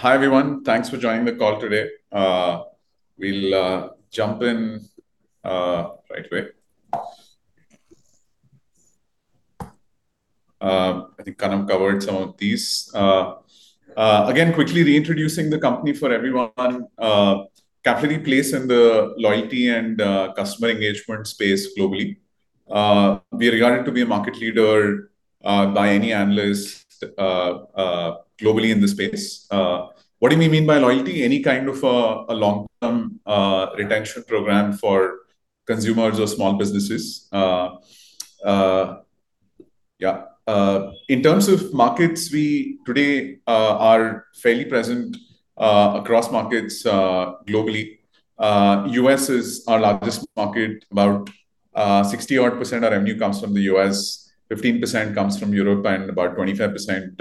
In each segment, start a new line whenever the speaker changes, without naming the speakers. Hi, everyone. Thanks for joining the call today. We'll jump in right away. I think Kanav covered some of these. Quickly reintroducing the company for everyone. Capillary plays in the loyalty and customer engagement space globally. We are regarded to be a market leader by any analyst globally in this space. What do we mean by loyalty? Any kind of a long-term retention program for consumers or small businesses. In terms of markets, we today are fairly present across markets globally. U.S. is our largest market. About 60-odd% of our revenue comes from the U.S., 15% comes from Europe, and about 25%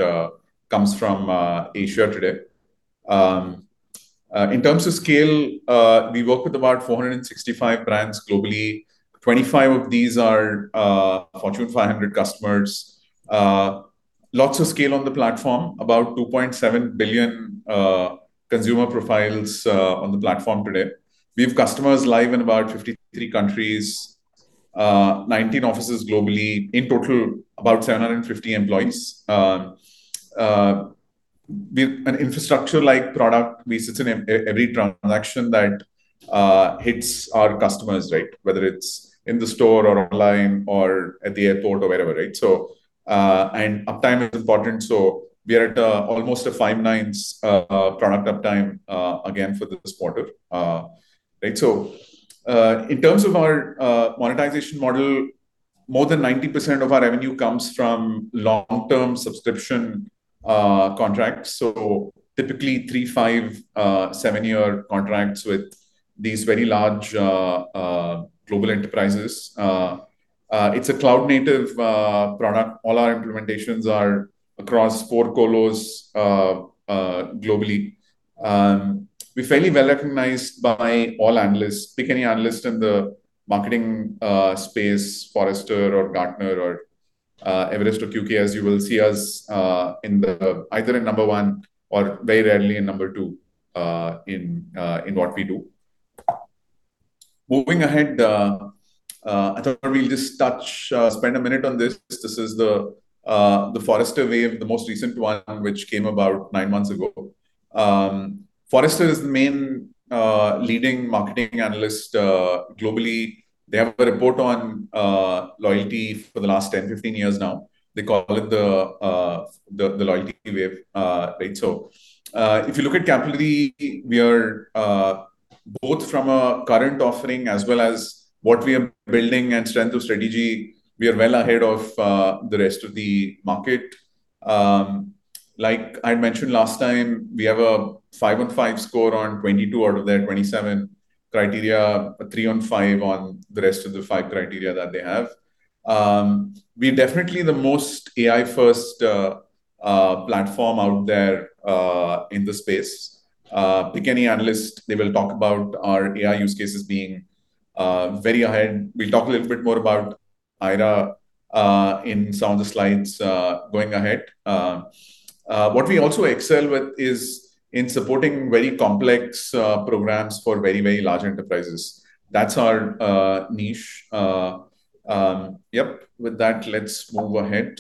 comes from Asia today. In terms of scale, we work with about 465 brands globally. 25 of these are Fortune 500 customers. Lots of scale on the platform. About 2.7 billion consumer profiles on the platform today. We have customers live in about 53 countries, 19 offices globally. In total, about 750 employees. We have an infrastructure-like product. We sit in every transaction that hits our customers, whether it's in the store or online or at the airport or wherever. Uptime is important, so we are at almost a five nines product uptime, again, for this quarter. In terms of our monetization model, more than 90% of our revenue comes from long-term subscription contracts. Typically three, five, seven-year contracts with these very large global enterprises. It's a cloud-native product. All our implementations are across four colos globally. We're fairly well-recognized by all analysts. Pick any analyst in the marketing space, Forrester or Gartner or Everest Group or QK, as you will see us either in number one or very rarely in number two in what we do. Moving ahead, I thought we'll just spend a minute on this. This is The Forrester Wave, the most recent one, which came about nine months ago. Forrester is the main leading marketing analyst globally. They have a report on loyalty for the last 10, 15 years now. They call it The Loyalty Wave. If you look at Capillary, we are both from a current offering as well as what we are building and strength of strategy, we are well ahead of the rest of the market. Like I'd mentioned last time, we have a five on five score on 22 out of their 27 criteria, a three on five on the rest of the five criteria that they have. We're definitely the most AI-first platform out there in the space. Pick any analyst, they will talk about our AI use cases being very ahead. We'll talk a little bit more about aiRA in some of the slides going ahead. What we also excel with is in supporting very complex programs for very large enterprises. That's our niche. With that, let's move ahead.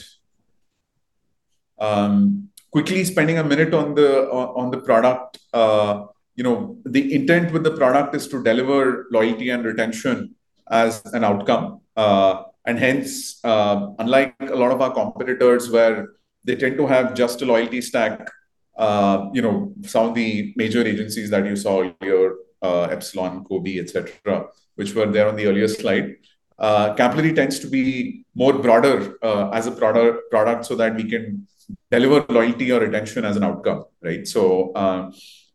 Quickly spending a minute on the product. The intent with the product is to deliver loyalty and retention as an outcome. Hence, unlike a lot of our competitors, where they tend to have just a loyalty stack, some of the major agencies that you saw here, Epsilon, Kobie, et cetera, which were there on the earlier slide. Capillary tends to be more broader as a product so that we can deliver loyalty or retention as an outcome.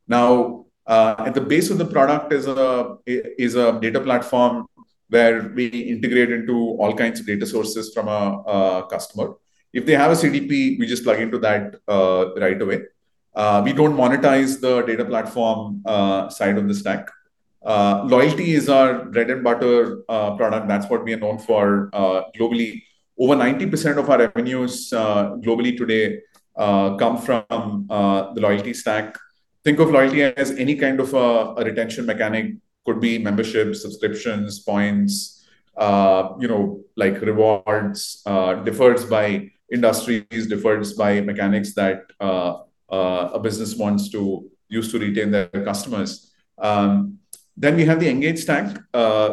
Now, at the base of the product is a data platform where we integrate into all kinds of data sources from a customer. If they have a CDP, we just plug into that right away. We don't monetize the data platform side of the stack. Loyalty is our bread and butter product. That's what we are known for globally. Over 90% of our revenues globally today come from the loyalty stack. Think of loyalty as any kind of a retention mechanic. Could be membership, subscriptions, points, rewards. Differs by industries, differs by mechanics that a business wants to use to retain their customers. Then we have the Engage stack,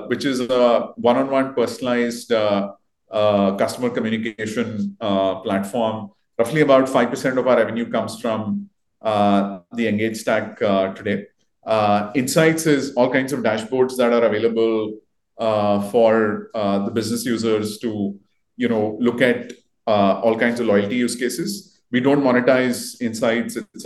which is a one-on-one personalized customer communication platform. Roughly about 5% of our revenue comes from the Engage stack today. Insights is all kinds of dashboards that are available for the business users to look at all kinds of loyalty use cases. We don't monetize insights. It's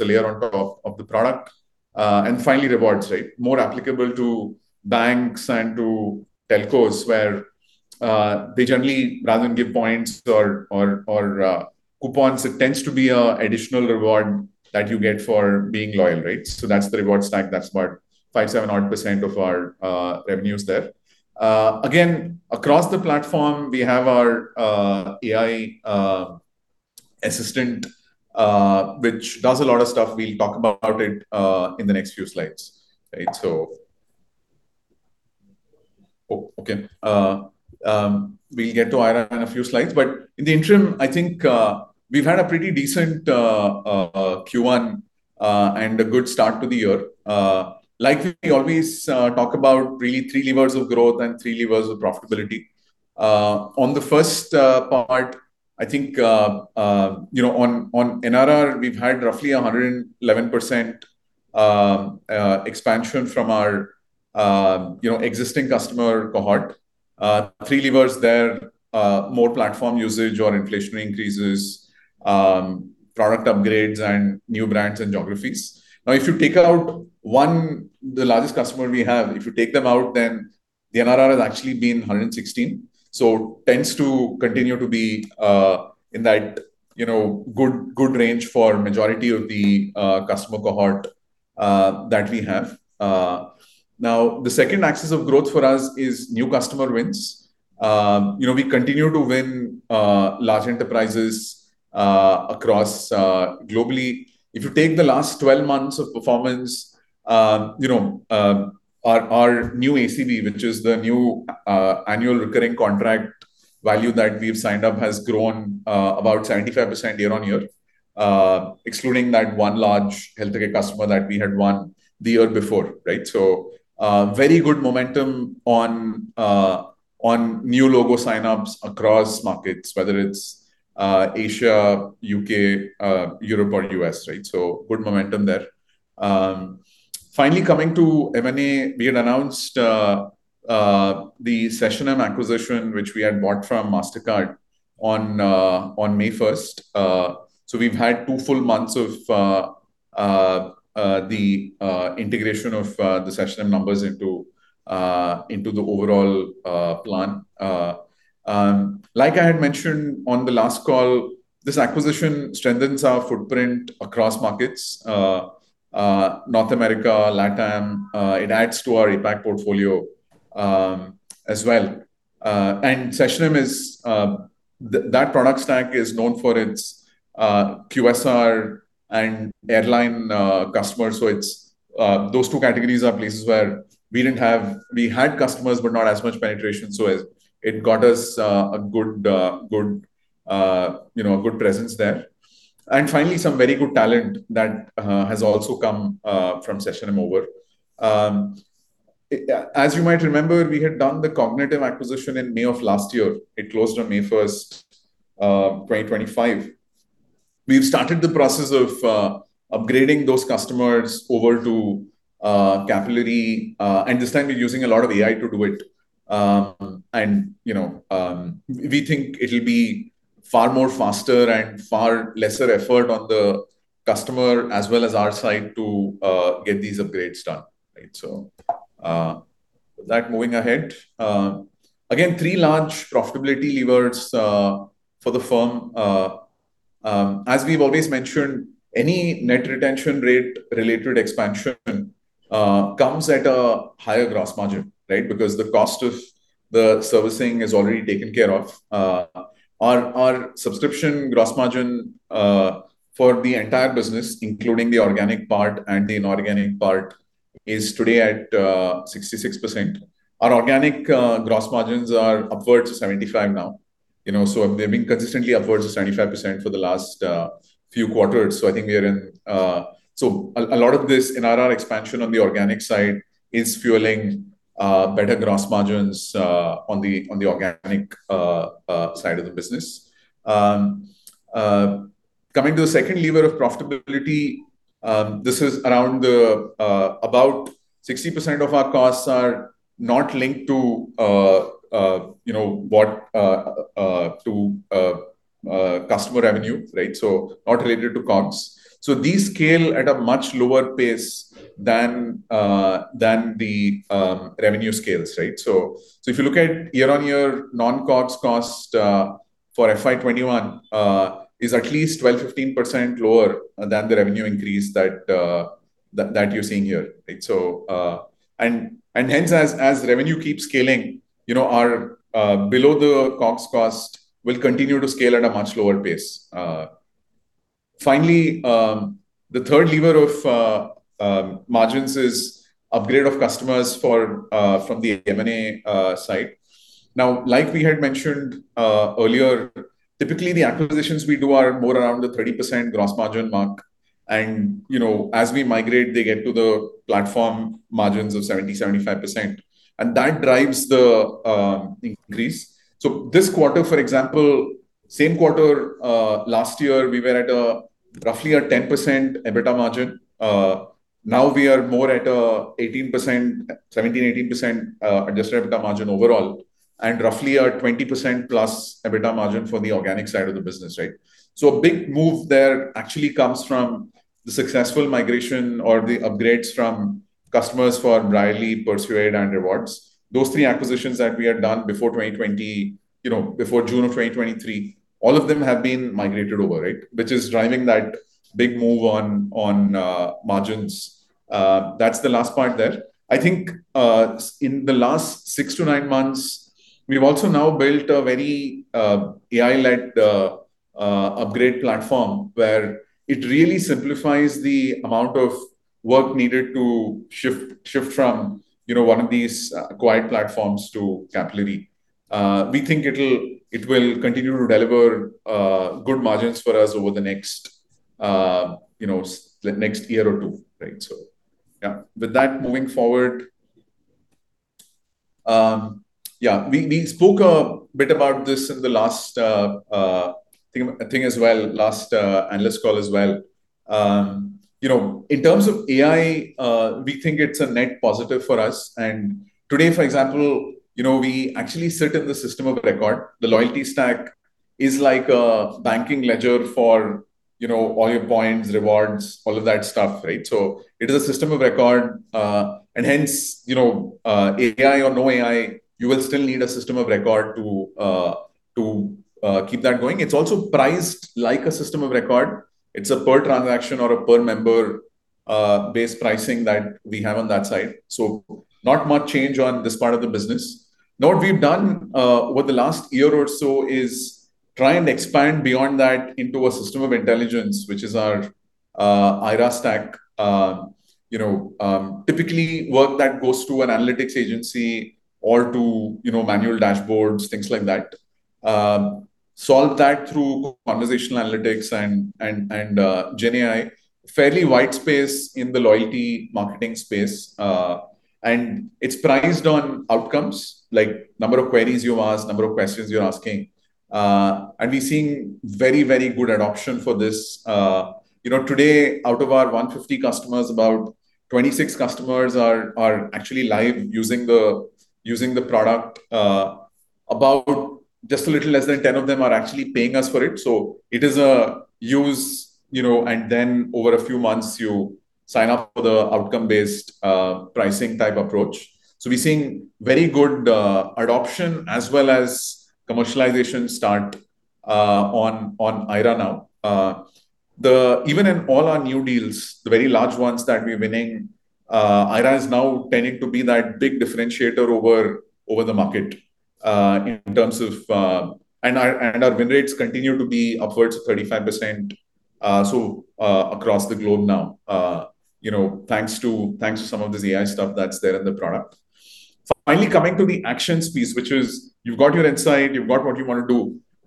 a layer on top of the product. Finally, Rewards. More applicable to banks and to telcos, where they generally rather than give points or coupons, it tends to be an additional reward that you get for being loyal. That's the Rewards stack. That's about 5%-7% odd of our revenues there. Again, across the platform, we have our AI assistant, which does a lot of stuff. We'll talk about it in the next few slides. Right. Okay. We'll get to aiRA in a few slides. In the interim, I think we've had a pretty decent Q1 and a good start to the year. Like we always talk about, really three levers of growth and three levers of profitability. On the first part, I think, on NRR, we've had roughly 111% expansion from our existing customer cohort. Three levers there, more platform usage or inflationary increases, product upgrades, and new brands and geographies. If you take out one, the largest customer we have, if you take them out, then the NRR has actually been 116%. Tends to continue to be in that good range for majority of the customer cohort that we have. The second axis of growth for us is new customer wins. We continue to win large enterprises across globally. If you take the last 12 months of performance, our new ACV, which is the new annual recurring contract value that we've signed up, has grown about 75% year-on-year, excluding that 1 large healthcare customer that we had won the year before. Right? Very good momentum on new logo signups across markets, whether it's Asia, U.K., Europe, or U.S. Good momentum there. Finally, coming to M&A, we had announced the SessionM acquisition, which we had bought from Mastercard on May 1st. We've had two full months of the integration of the SessionM numbers into the overall plan. Like I had mentioned on the last call, this acquisition strengthens our footprint across markets, North America, LATAM. It adds to our APAC portfolio as well. SessionM, that product stack is known for its QSR and airline customers. Those two categories are places where we had customers, but not as much penetration. It got us a good presence there. Finally, some very good talent that has also come from SessionM over. As you might remember, we had done the Kognitiv acquisition in May of last year. It closed on May 1st, 2025. We've started the process of upgrading those customers over to Capillary, and this time we're using a lot of AI to do it. We think it'll be far more faster and far lesser effort on the customer as well as our side to get these upgrades done. Right? With that, moving ahead. Again, three large profitability levers for the firm. As we've always mentioned, any net retention rate-related expansion comes at a higher gross margin. Right? Because the cost of the servicing is already taken care of. Our subscription gross margin, for the entire business, including the organic part and the inorganic part, is today at 66%. Our organic gross margins are upwards of 75% now. So they've been consistently upwards of 75% for the last few quarters. So a lot of this NRR expansion on the organic side is fueling better gross margins on the organic side of the business. Coming to the second lever of profitability. This is around about 60% of our costs are not linked to customer revenue. So not related to COGS. So these scale at a much lower pace than the revenue scales. Right? If you look at year-on-year non-COGS cost for FY 2021, is at least 12%-15% lower than the revenue increase that you're seeing here. Right? And hence, as revenue keeps scaling, below the COGS cost will continue to scale at a much lower pace. Finally, the third lever of margins is upgrade of customers from the M&A side. Now, like we had mentioned earlier, typically the acquisitions we do are more around the 30% gross margin mark. And as we migrate, they get to the platform margins of 70%-75%, and that drives the increase. So this quarter, for example, same quarter, last year, we were at roughly a 10% EBITDA margin. We are more at 17%-18% adjusted EBITDA margin overall, and roughly a 20%+ EBITDA margin for the organic side of the business. Right? A big move there actually comes from the successful migration or the upgrades from customers for Brierley, Persuade, and Rewards+. Those three acquisitions that we had done before June of 2023, all of them have been migrated over. Right? Which is driving that big move on margins. That's the last part there. I think in the last six to nine months, we've also now built a very AI-led upgrade platform where it really simplifies the amount of work needed to shift from one of these acquired platforms to Capillary. We think it will continue to deliver good margins for us over the next year or two. Yeah. With that, moving forward. We spoke a bit about this in the last thing as well, last analyst call as well. In terms of AI, we think it's a net positive for us. Today, for example, we actually sit in the system of record. The loyalty stack is like a banking ledger for all your points, rewards, all of that stuff. So it is a system of record, and hence, AI or no AI, you will still need a system of record to keep that going. It's also priced like a system of record. It's a per transaction or a per member base pricing that we have on that side. So not much change on this part of the business. What we've done over the last year or so is try and expand beyond that into a system of intelligence, which is our aiRA stack. Typically, work that goes to an analytics agency or to manual dashboards, things like that. Solve that through conversational analytics and GenAI. Fairly wide space in the loyalty marketing space. It's priced on outcomes, like number of queries you ask, number of questions you're asking. We're seeing very good adoption for this. Today, out of our 150 customers, about 26 customers are actually live using the product. About just a little less than 10 of them are actually paying us for it. It is a use, and then over a few months, you sign up for the outcome-based pricing type approach. We're seeing very good adoption as well as commercialization start on aiRA now. Even in all our new deals, the very large ones that we're winning, aiRA is now tending to be that big differentiator over the market. Our win rates continue to be upwards of 35% across the globe now. Thanks to some of this AI stuff that's there in the product. Finally, coming to the actions piece, which is you've got your insight, you've got what you want to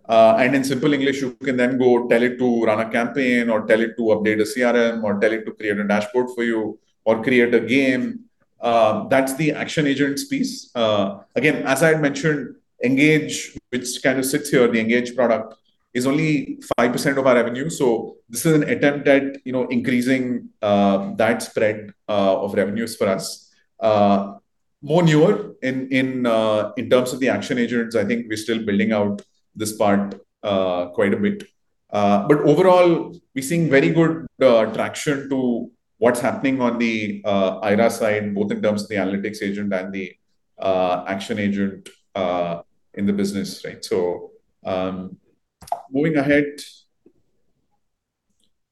do. In simple English, you can then go tell it to run a campaign or tell it to update a CRM or tell it to create a dashboard for you or create a game. That's the action agents piece. Again, as I had mentioned, Engage, which sits here, the Engage product is only 5% of our revenue. This is an attempt at increasing that spread of revenues for us. More newer in terms of the action agents, I think we're still building out this part quite a bit. Overall, we're seeing very good traction to what's happening on the aiRA side, both in terms of the analytics agent and the action agent in the business. Moving ahead.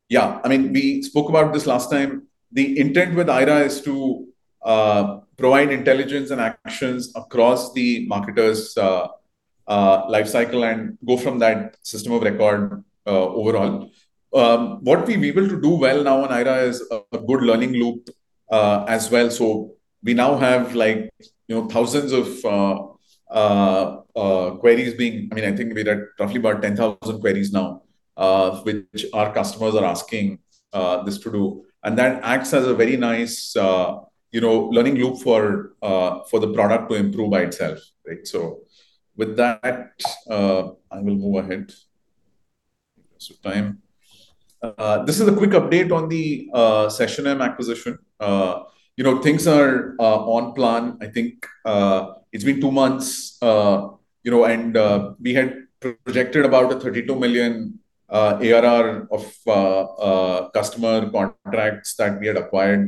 We spoke about this last time. The intent with aiRA is to provide intelligence and actions across the marketer's life cycle and go from that system of record overall. What we've been able to do well now on aiRA is a good learning loop as well. We now have thousands of queries being I think we're at roughly about 10,000 queries now, which our customers are asking this to do. That acts as a very nice learning loop for the product to improve by itself. With that, I will move ahead in the interest of time. This is a quick update on the SessionM acquisition. Things are on plan. I think it's been two months, we had projected about a 32 million ARR of customer contracts that we had acquired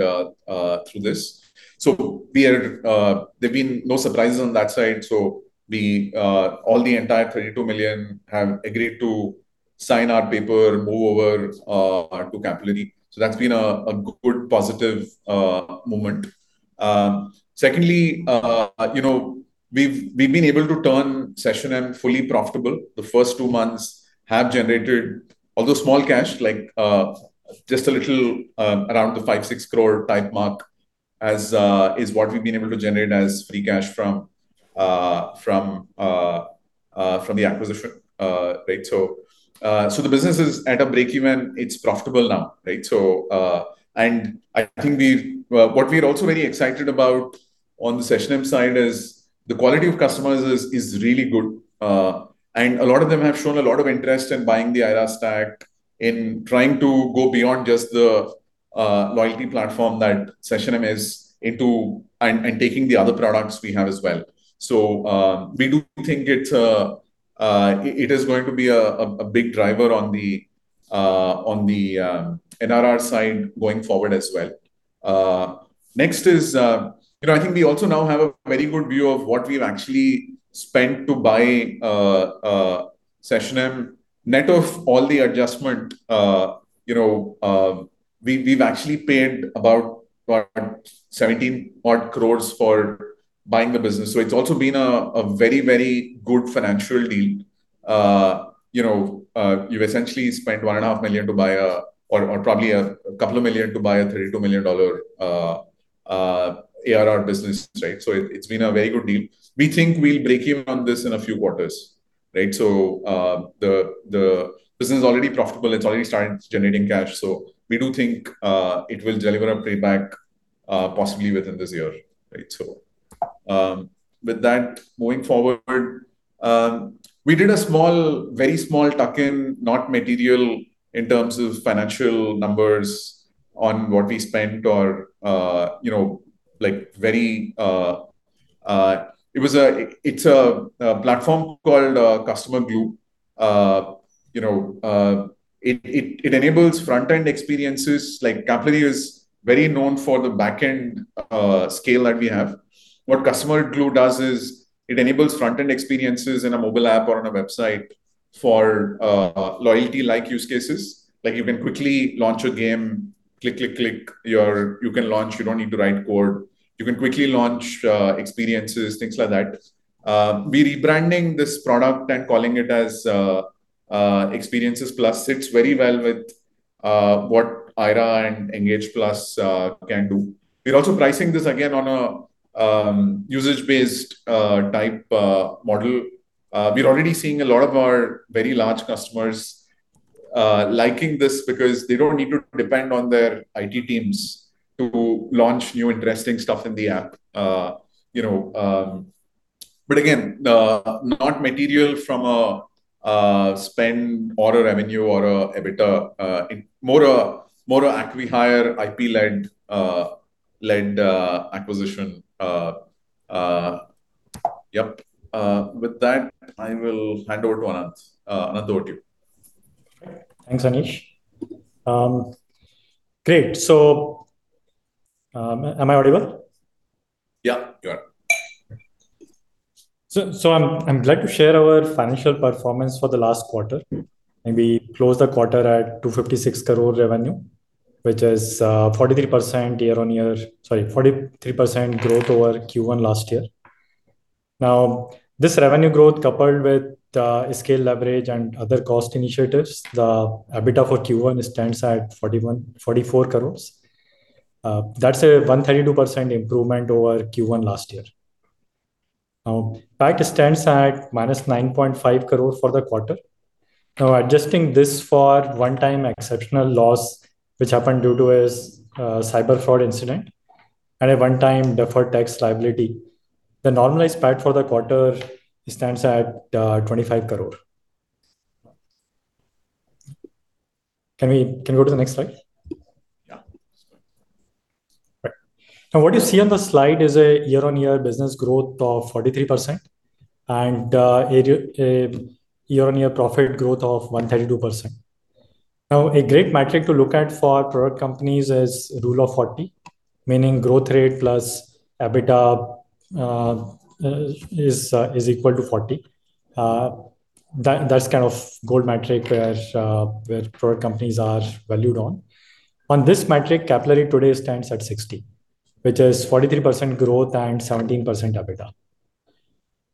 through this. There've been no surprises on that side. All the entire 32 million have agreed to sign our paper, move over to Capillary. That's been a good positive moment. Secondly, we've been able to turn SessionM fully profitable. The first two months have generated, although small cash, just a little around the 5 crore, 6 crore type mark is what we've been able to generate as free cash from the acquisition. The business is at a break even. It's profitable now. I think what we're also very excited about on the SessionM side is the quality of customers is really good. A lot of them have shown a lot of interest in buying the aiRA stack, in trying to go beyond just the loyalty platform that SessionM is into, and taking the other products we have as well. We do think it is going to be a big driver on the NRR side going forward as well. Next is, I think we also now have a very good view of what we've actually spent to buy SessionM. Net of all the adjustment, we've actually paid about 17 odd crores for buying the business. It's also been a very good financial deal. You've essentially spent $1.5 million to buy or probably a couple of million to buy a $32 million ARR business. It's been a very good deal. We think we'll break even on this in a few quarters. The business is already profitable. It's already started generating cash. We do think it will deliver a payback possibly within this year. With that, moving forward, we did a very small tuck-in, not material in terms of financial numbers on what we spent, it's a platform called CustomerGlu. It enables front-end experiences. Capillary is very known for the back-end scale that we have. What CustomerGlu does is it enables front-end experiences in a mobile app or on a website for loyalty-like use cases. Like you can quickly launch a game, click, click. You can launch, you don't need to write code. You can quickly launch experiences, things like that. We're rebranding this product and calling it Experiences Plus. Sits very well with what aiRA and Engage+ can do. We're also pricing this again on a usage-based type model. We're already seeing a lot of our very large customers liking this because they don't need to depend on their IT teams to launch new interesting stuff in the app. Again, not material from a spend or a revenue or an EBITDA. More acqui-hire, IP-led acquisition. Yep. With that, I will hand over to Anant. Anant, over to you.
Thanks, Aneesh. Great. Am I audible?
Yeah, you are.
I'm glad to share our financial performance for the last quarter. We closed the quarter at 256 crore revenue, which is 43% growth over Q1 last year. This revenue growth coupled with the scale leverage and other cost initiatives, the EBITDA for Q1 stands at 44 crore. That's a 132% improvement over Q1 last year. PAT stands at -9.5 crore for the quarter. Adjusting this for one-time exceptional loss, which happened due to a cyber fraud incident and a one-time deferred tax liability. The normalized PAT for the quarter stands at 25 crore. Can we go to the next slide? What you see on the slide is a year-on-year business growth of 43% and year-on-year profit growth of 132%. A great metric to look at for product companies is Rule of 40, meaning growth rate plus EBITDA is equal to 40. That's kind of gold metric where product companies are valued on. On this metric, Capillary today stands at 60, which is 43% growth and 17% EBITDA.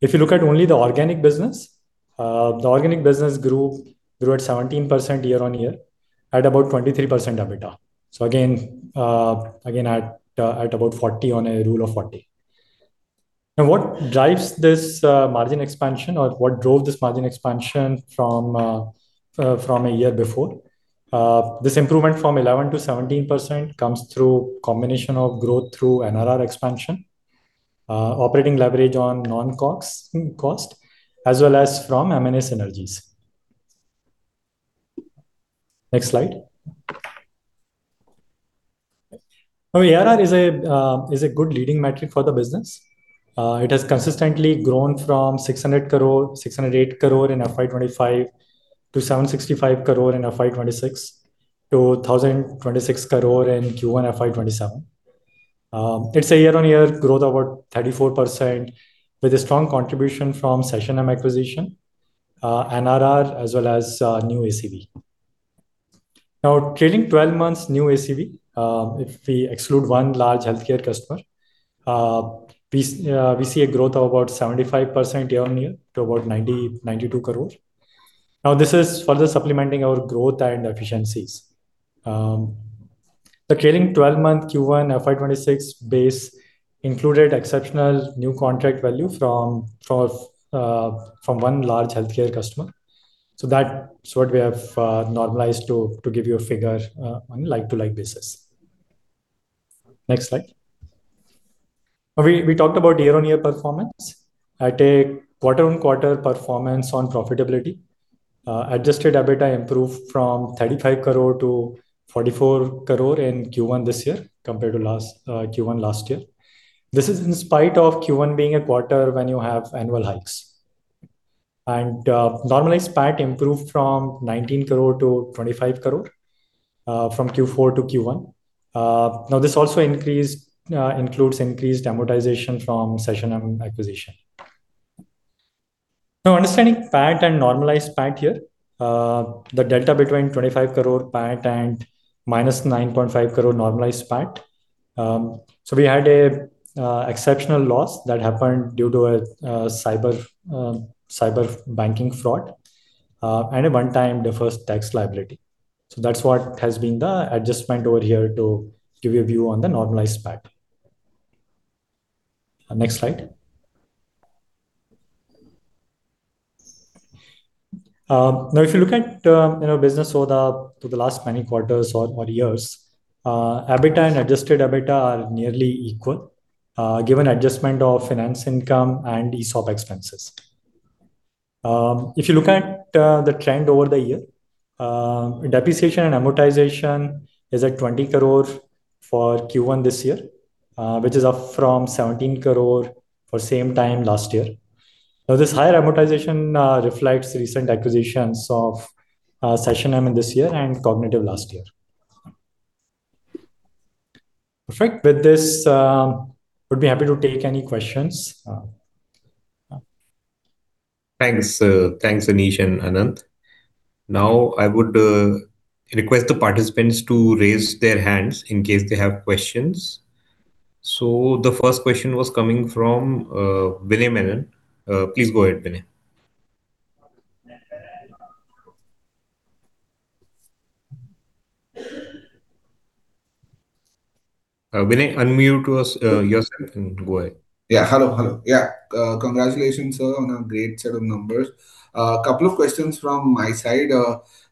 If you look at only the organic business, the organic business grew at 17% year-on-year at about 23% EBITDA. again, at about 40 on a Rule of 40. What drives this margin expansion or what drove this margin expansion from a year before? This improvement from 11%-17% comes through combination of growth through NRR expansion, operating leverage on non-COGS cost, as well as from M&A synergies. Next slide. ARR is a good leading metric for the business. It has consistently grown from 600 crore, 608 crore in FY 2025 to 765 crore in FY 2026 to 1,026 crore in Q1 FY 2027. It's a year-on-year growth of about 34%, with a strong contribution from SessionM acquisition, NRR, as well as new ACV. Trailing 12 months new ACV, if we exclude one large healthcare customer, we see a growth of about 75% year-on-year to about 90 crore-92 crore. This is further supplementing our growth and efficiencies. The trailing 12-month Q1 FY 2026 base included exceptional new contract value from one large healthcare customer. That's what we have normalized to give you a figure on a like-to-like basis. Next slide. We talked about year-on-year performance. At a quarter-on-quarter performance on profitability. Adjusted EBITDA improved from 35 crore-44 crore in Q1 this year compared to Q1 last year. This is in spite of Q1 being a quarter when you have annual hikes. Normalized PAT improved from 19 crore-25 crore from Q4 to Q1. This also includes increased amortization from SessionM acquisition. Understanding PAT and normalized PAT here. The delta between 25 crore PAT and -9.5 crore normalized PAT. We had an exceptional loss that happened due to a cyber banking fraud. A one-time deferred tax liability. That's what has been the adjustment over here to give you a view on the normalized PAT. Next slide. If you look at our business over the last many quarters or years, EBITDA and adjusted EBITDA are nearly equal, given adjustment of finance income and ESOP expenses. If you look at the trend over the year, depreciation and amortization is at 20 crore for Q1 this year, which is up from 17 crore for same time last year. This higher amortization reflects recent acquisitions of SessionM in this year and Kognitiv last year. Perfect. With this, would be happy to take any questions.
Thanks. Thanks, Aneesh and Anant. I would request the participants to raise their hands in case they have questions. The first question was coming from Vinay Menon. Please go ahead, Vinay. Vinay, unmute yourself and go ahead.
Hello. Congratulations, sir, on a great set of numbers. A couple of questions from my side.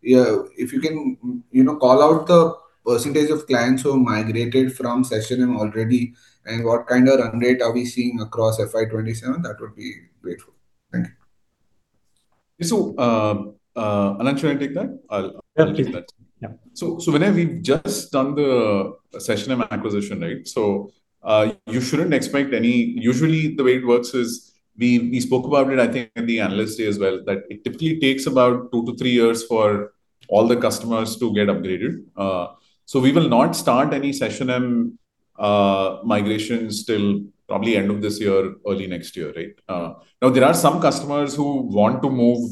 If you can call out the percentage of clients who migrated from SessionM already and what kind of run rate are we seeing across FY 2027, that would be grateful. Thank you.
Anant, you want to take that? I'll take that. Vinay, we've just done the SessionM acquisition, right? You shouldn't expect any Usually the way it works is, we spoke about it, I think in the analyst day as well, that it typically takes about two to three years for all the customers to get upgraded. We will not start any SessionM migrations till probably end of this year or early next year, right? There are some customers who want to move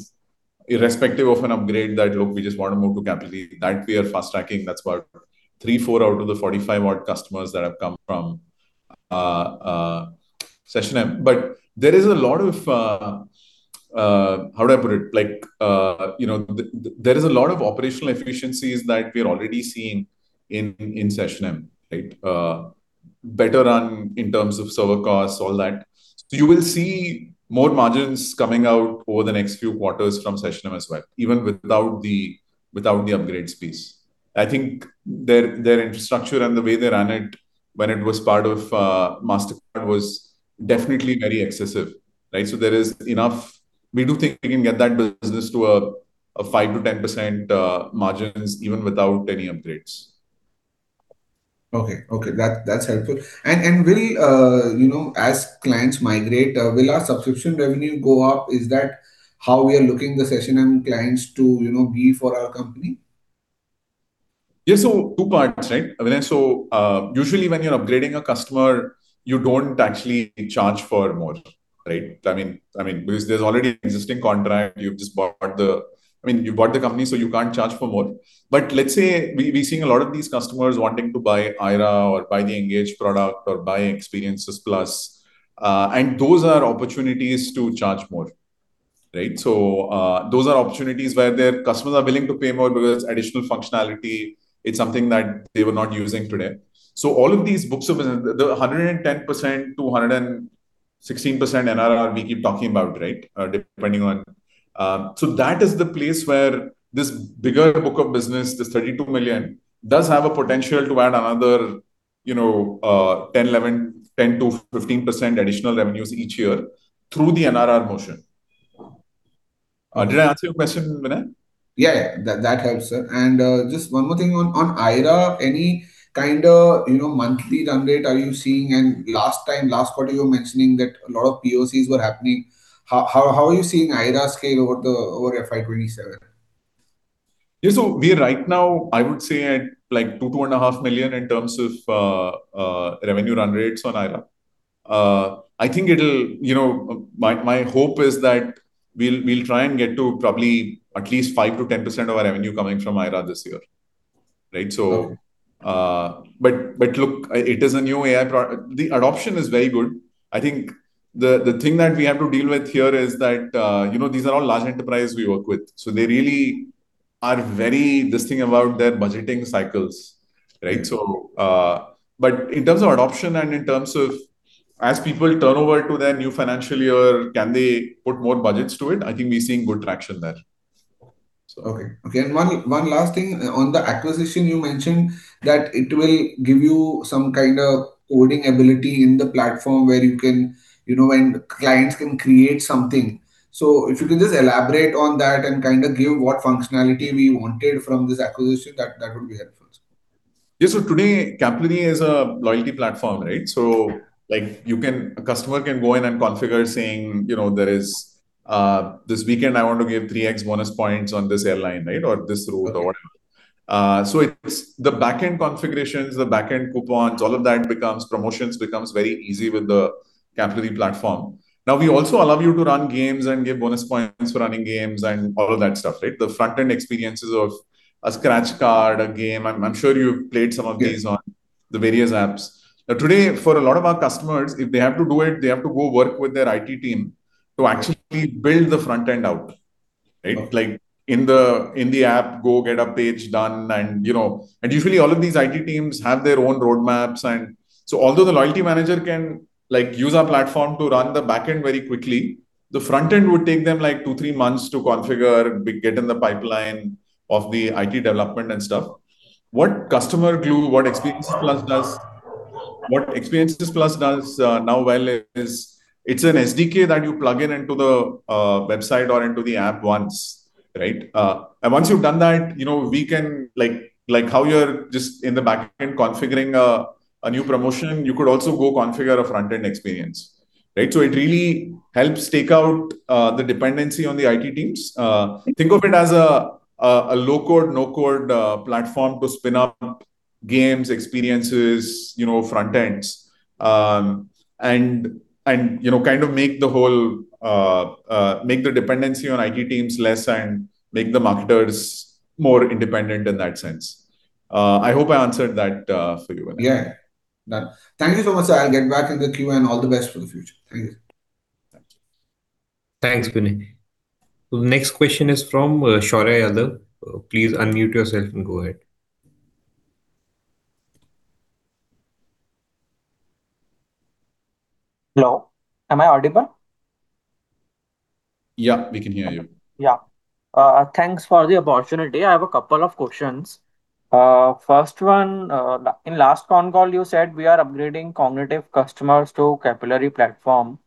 irrespective of an upgrade that, "Look, we just want to move to Capillary." That we are fast-tracking. That's about three, four out of the 45 odd customers that have come from SessionM. There is a lot of operational efficiencies that we are already seeing in SessionM. Better run in terms of server costs, all that. You will see more margins coming out over the next few quarters from SessionM as well, even without the upgrades piece. I think their infrastructure and the way they ran it when it was part of Mastercard was definitely very excessive, right? There is enough. We do think we can get that business to a 5%-10% margins even without any upgrades.
Okay. That's helpful. Vinay, as clients migrate, will our subscription revenue go up? Is that how we are looking the SessionM clients to be for our company?
Yeah. Two parts, right Vinay? Usually when you're upgrading a customer, you don't actually charge for more, right? Because there's already an existing contract. You bought the company, you can't charge for more. Let's say we're seeing a lot of these customers wanting to buy aiRA or buy Engage+, or buy Experiences Plus. Those are opportunities to charge more, right? Those are opportunities where the customers are willing to pay more because additional functionality, it's something that they were not using today. All of these books of business, the 110%-116% NRR we keep talking about, right? That is the place where this bigger book of business, this 32 million, does have a potential to add another 10, 11, 10%-15% additional revenues each year through the NRR motion. Did I answer your question, Vinay?
Yeah. That helps, sir. Just one more thing on aiRA. Any kind of monthly run rate are you seeing? Last time, last quarter, you were mentioning that a lot of POCs were happening. How are you seeing aiRA scale over FY 2027?
Yeah. We right now, I would say at 2 million-2.5 million in terms of revenue run rates on aiRA. My hope is that we'll try and get to probably at least 5%-10% of our revenue coming from aiRA this year, right?
Okay.
Look, it is a new AI product. The adoption is very good. I think the thing that we have to deal with here is that these are all large enterprise we work with. They really are very distinct about their budgeting cycles, right? In terms of adoption and in terms of as people turn over to their new financial year, can they put more budgets to it? I think we're seeing good traction there.
Okay. One last thing. On the acquisition, you mentioned that it will give you some kind of coding ability in the platform where clients can create something. If you can just elaborate on that and give what functionality we wanted from this acquisition. That would be helpful, sir.
Yeah. Today, Capillary is a loyalty platform, right? A customer can go in and configure, saying, "This weekend I want to give 3X bonus points on this airline," right? Or this route or whatever. It's the back-end configurations, the back-end coupons, all of that promotions becomes very easy with the Capillary platform. We also allow you to run games and give bonus points for running games and all of that stuff, right? The front-end experiences of a scratch card, a game. I'm sure you've played some of these on the various apps. Today, for a lot of our customers, if they have to do it, they have to go work with their IT team to actually build the front end out, right? Like in the app, go get a page done. Usually all of these IT teams have their own roadmaps. Although the loyalty manager can use our platform to run the back end very quickly, the front end would take them two, three months to configure, get in the pipeline of the IT development and stuff. What CustomerGlu, what Experiences Plus does now well is, it's an SDK that you plug in into the website or into the app once, right? Once you've done that, like how you're just in the back end configuring a new promotion, you could also go configure a front-end experience, right? It really helps take out the dependency on the IT teams. Think of it as a low-code, no-code platform to spin up games, experiences, front ends. Kind of make the dependency on IT teams less and make the marketers more independent in that sense. I hope I answered that for you well.
Yeah. Done. Thank you so much, sir. I'll get back in the queue and all the best for the future. Thank you.
Thank you.
Thanks, Vinay. Next question is from Shaurya Yadav. Please unmute yourself and go ahead.
Hello, am I audible?
Yeah, we can hear you.
Thanks for the opportunity. I have a couple of questions. First one, in last phone call, you said we are upgrading Kognitiv customers to Capillary platform.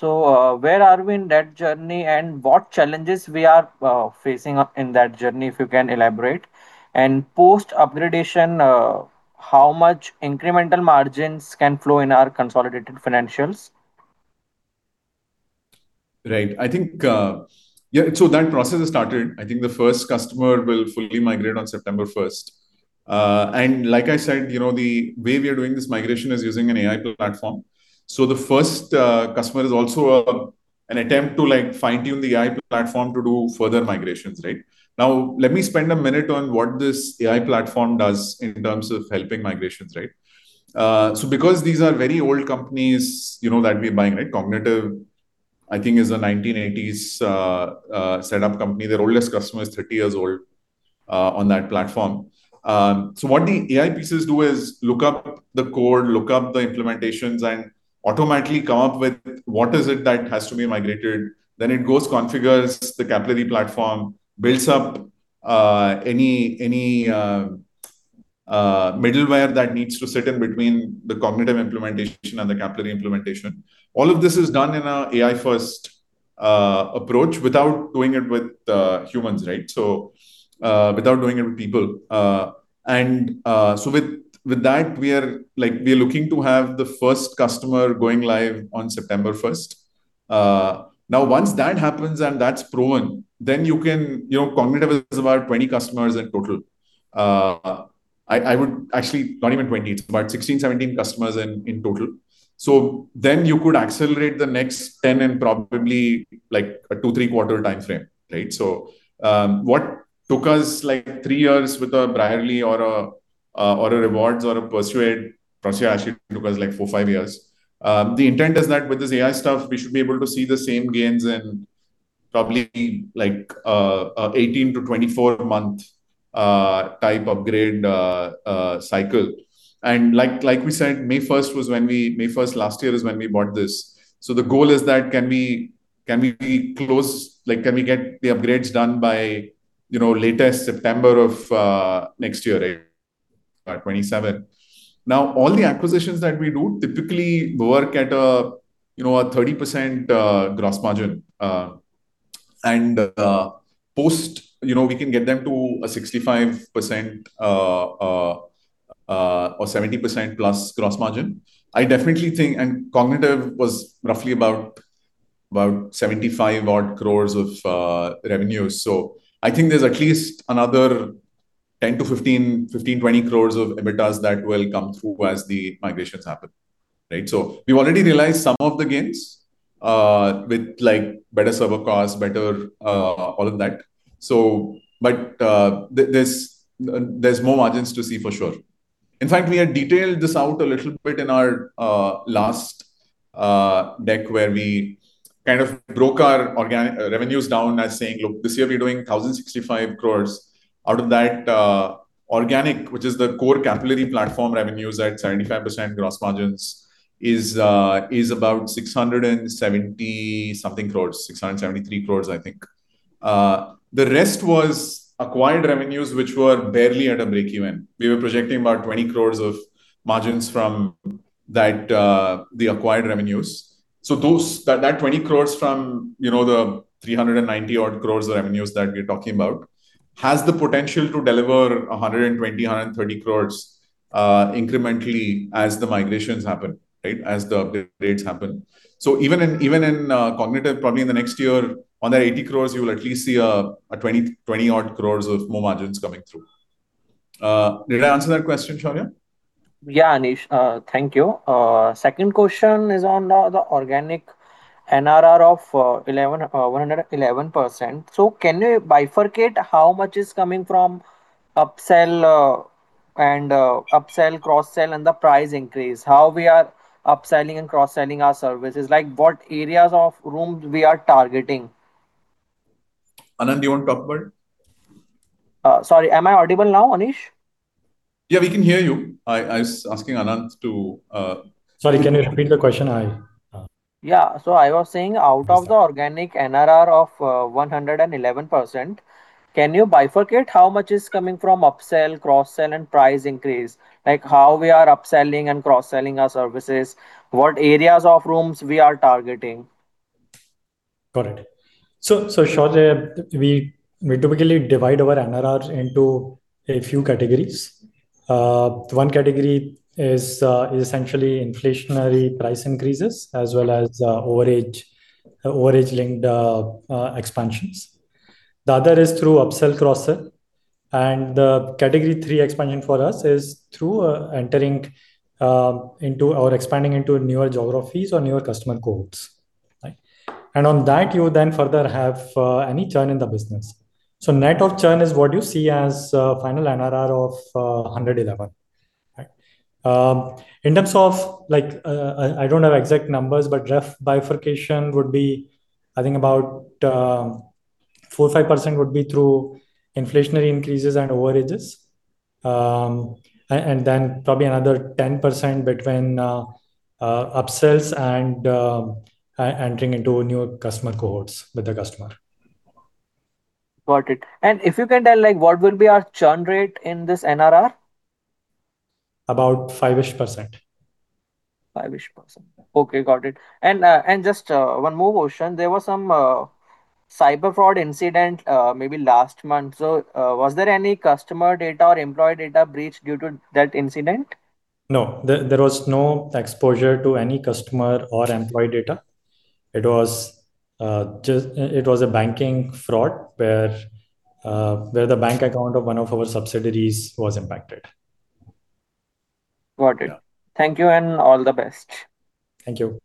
Where are we in that journey, and what challenges we are facing in that journey, if you can elaborate? Post-upgradation, how much incremental margins can flow in our consolidated financials?
Right. That process has started. I think the first customer will fully migrate on September 1st. Like I said, the way we are doing this migration is using an AI platform. The first customer is also an attempt to fine-tune the AI platform to do further migrations, right? Let me spend a minute on what this AI platform does in terms of helping migrations, right? Because these are very old companies that we're buying, right? Kognitiv, I think is a 1980s set-up company. Their oldest customer is 30 years old on that platform. What the AI pieces do is look up the code, look up the implementations, and automatically come up with what is it that has to be migrated. It goes configures the Capillary platform, builds up any middleware that needs to sit in between the Kognitiv implementation and the Capillary implementation. All of this is done in a AI-first approach without doing it with humans, right? Without doing it with people. With that, we're looking to have the first customer going live on September 1st. Once that happens, and that's proven, then you can. Kognitiv has about 20 customers in total. Actually, not even 20. It's about 16, 17 customers in total. You could accelerate the next 10 in probably, like a two, three quarter timeframe, right? What took us, like three years with a Brierley or a Rewards or a Persuade, actually took us like four, five years. The intent is that with this AI stuff, we should be able to see the same gains in probably like an 18-24-month type upgrade cycle. Like we said, May 1st last year is when we bought this. The goal is that can we get the upgrades done by latest September of next year, right? By 2027. All the acquisitions that we do typically work at a 30% gross margin. Post, we can get them to a 65% or 70%+ gross margin. Kognitiv was roughly about 75 crores of revenue. I think there's at least another 10 crores-15 crores, 15 crores-20 crores of EBITDA that will come through as the migrations happen, right? We've already realized some of the gains, with like better server costs, better all of that. There's more margins to see for sure. In fact, we had detailed this out a little bit in our last deck where we kind of broke our revenues down as saying, look, this year we're doing 1,065 crores. Out of that, organic, which is the core Capillary platform revenues at 75% gross margins, is about 670 something crores, 673 crores, I think. The rest was acquired revenues, which were barely at a break-even. We were projecting about 20 crores of margins that the acquired revenues. That 20 crores from the 390 crores revenues that we're talking about, has the potential to deliver 120 crores, 130 crores incrementally as the migrations happen. As the upgrades happen. Even in Kognitiv, probably in the next year, on that 80 crores, you will at least see a 20 crores of more margins coming through. Did I answer that question, Shaurya?
Yeah, Aneesh. Thank you. Second question is on the organic NRR of 111%. Can you bifurcate how much is coming from upsell, cross-sell, and the price increase? How we are upselling and cross-selling our services? What areas of rooms we are targeting?
Anant, do you want to talk about it?
Sorry, am I audible now, Aneesh?
Yeah, we can hear you. I was asking Anant to-
Sorry, can you repeat the question?
Yeah. I was saying, out of the organic NRR of 111%, can you bifurcate how much is coming from upsell, cross-sell, and price increase? How we are upselling and cross-selling our services? What areas of rooms we are targeting?
Got it. Shaurya, we typically divide our NRRs into a few categories. One category is essentially inflationary price increases as well as overage-linked expansions. The other is through upsell, cross-sell. The category three expansion for us is through entering into or expanding into newer geographies or newer customer cohorts. On that, you would then further have any churn in the business. Net of churn is what you see as a final NRR of 111. In terms of, I don't have exact numbers, but rough bifurcation would be, I think about 4% or 5% would be through inflationary increases and overages. Then probably another 10% between upsells and entering into new customer cohorts with the customer.
Got it. If you can tell, what will be our churn rate in this NRR?
About 5%-ish.
5%-ish. Okay, got it. Just one more question. There was some cyber fraud incident maybe last month. Was there any customer data or employee data breach due to that incident?
No. There was no exposure to any customer or employee data. It was a banking fraud where the bank account of one of our subsidiaries was impacted.
Got it. Thank you and all the best.
Thank you.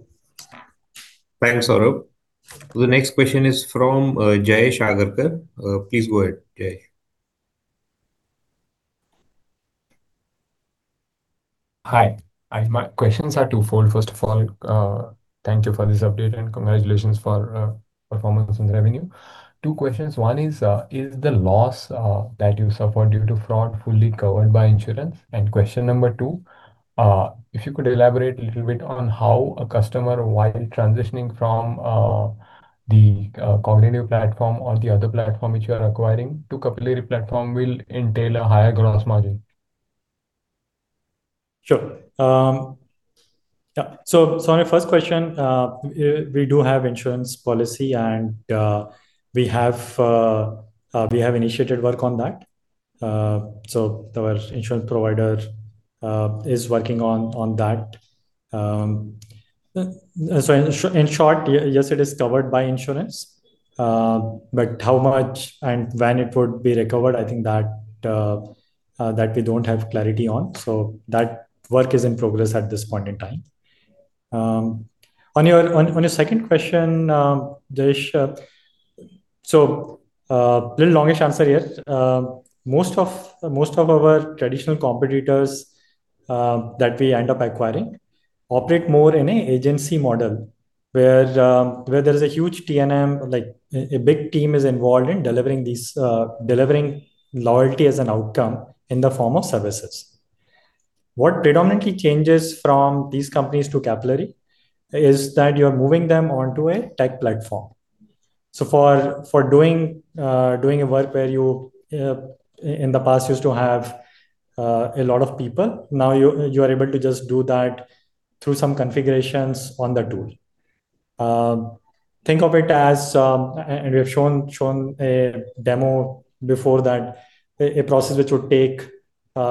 Thanks, Shaurya. The next question is from Jayesh Agharkar. Please go ahead, Jayesh.
Hi. My questions are twofold. First of all, thank you for this update and congratulations for performance on revenue. Two questions. One is the loss that you suffered due to fraud fully covered by insurance? Question number two, if you could elaborate a little bit on how a customer, while transitioning from the Kognitiv platform or the other platform which you are acquiring to Capillary platform, will entail a higher gross margin?
Sure. On your first question, we do have insurance policy, and we have initiated work on that. Our insurance provider is working on that. In short, yes, it is covered by insurance. How much and when it would be recovered, I think that we don't have clarity on. That work is in progress at this point in time. On your second question, Jayesh. A little longish answer here. Most of our traditional competitors that we end up acquiring operate more in an agency model, where there is a huge T&M, like a big team is involved in delivering loyalty as an outcome in the form of services. What predominantly changes from these companies to Capillary is that you're moving them onto a tech platform. For doing a work where you, in the past, used to have a lot of people, now you are able to just do that through some configurations on the tool. Think of it as, we have shown a demo before that, a process which would take,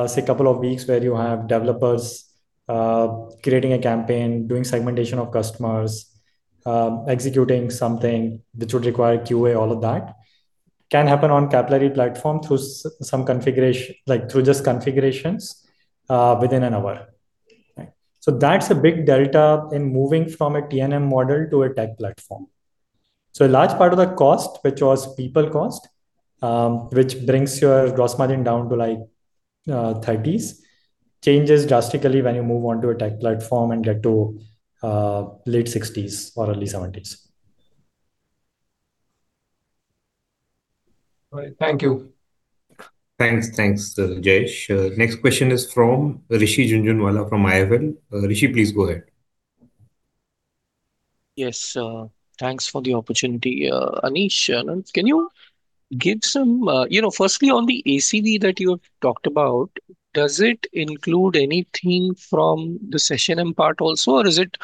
say, a couple of weeks where you have developers creating a campaign, doing segmentation of customers, executing something which would require QA, all of that, can happen on Capillary platform through just configurations within an hour. That's a big delta in moving from a T&M model to a tech platform. A large part of the cost, which was people cost, which brings your gross margin down to 30s, changes drastically when you move onto a tech platform and get to late 60s or early 70s.
All right. Thank you.
Thanks. Thanks, Jayesh. Next question is from Rishi Jhunjhunwala from IIFL. Rishi, please go ahead.
Yes. Thanks for the opportunity. Aneesh, can you give firstly on the ACV that you have talked about, does it include anything from the SessionM part also, or is it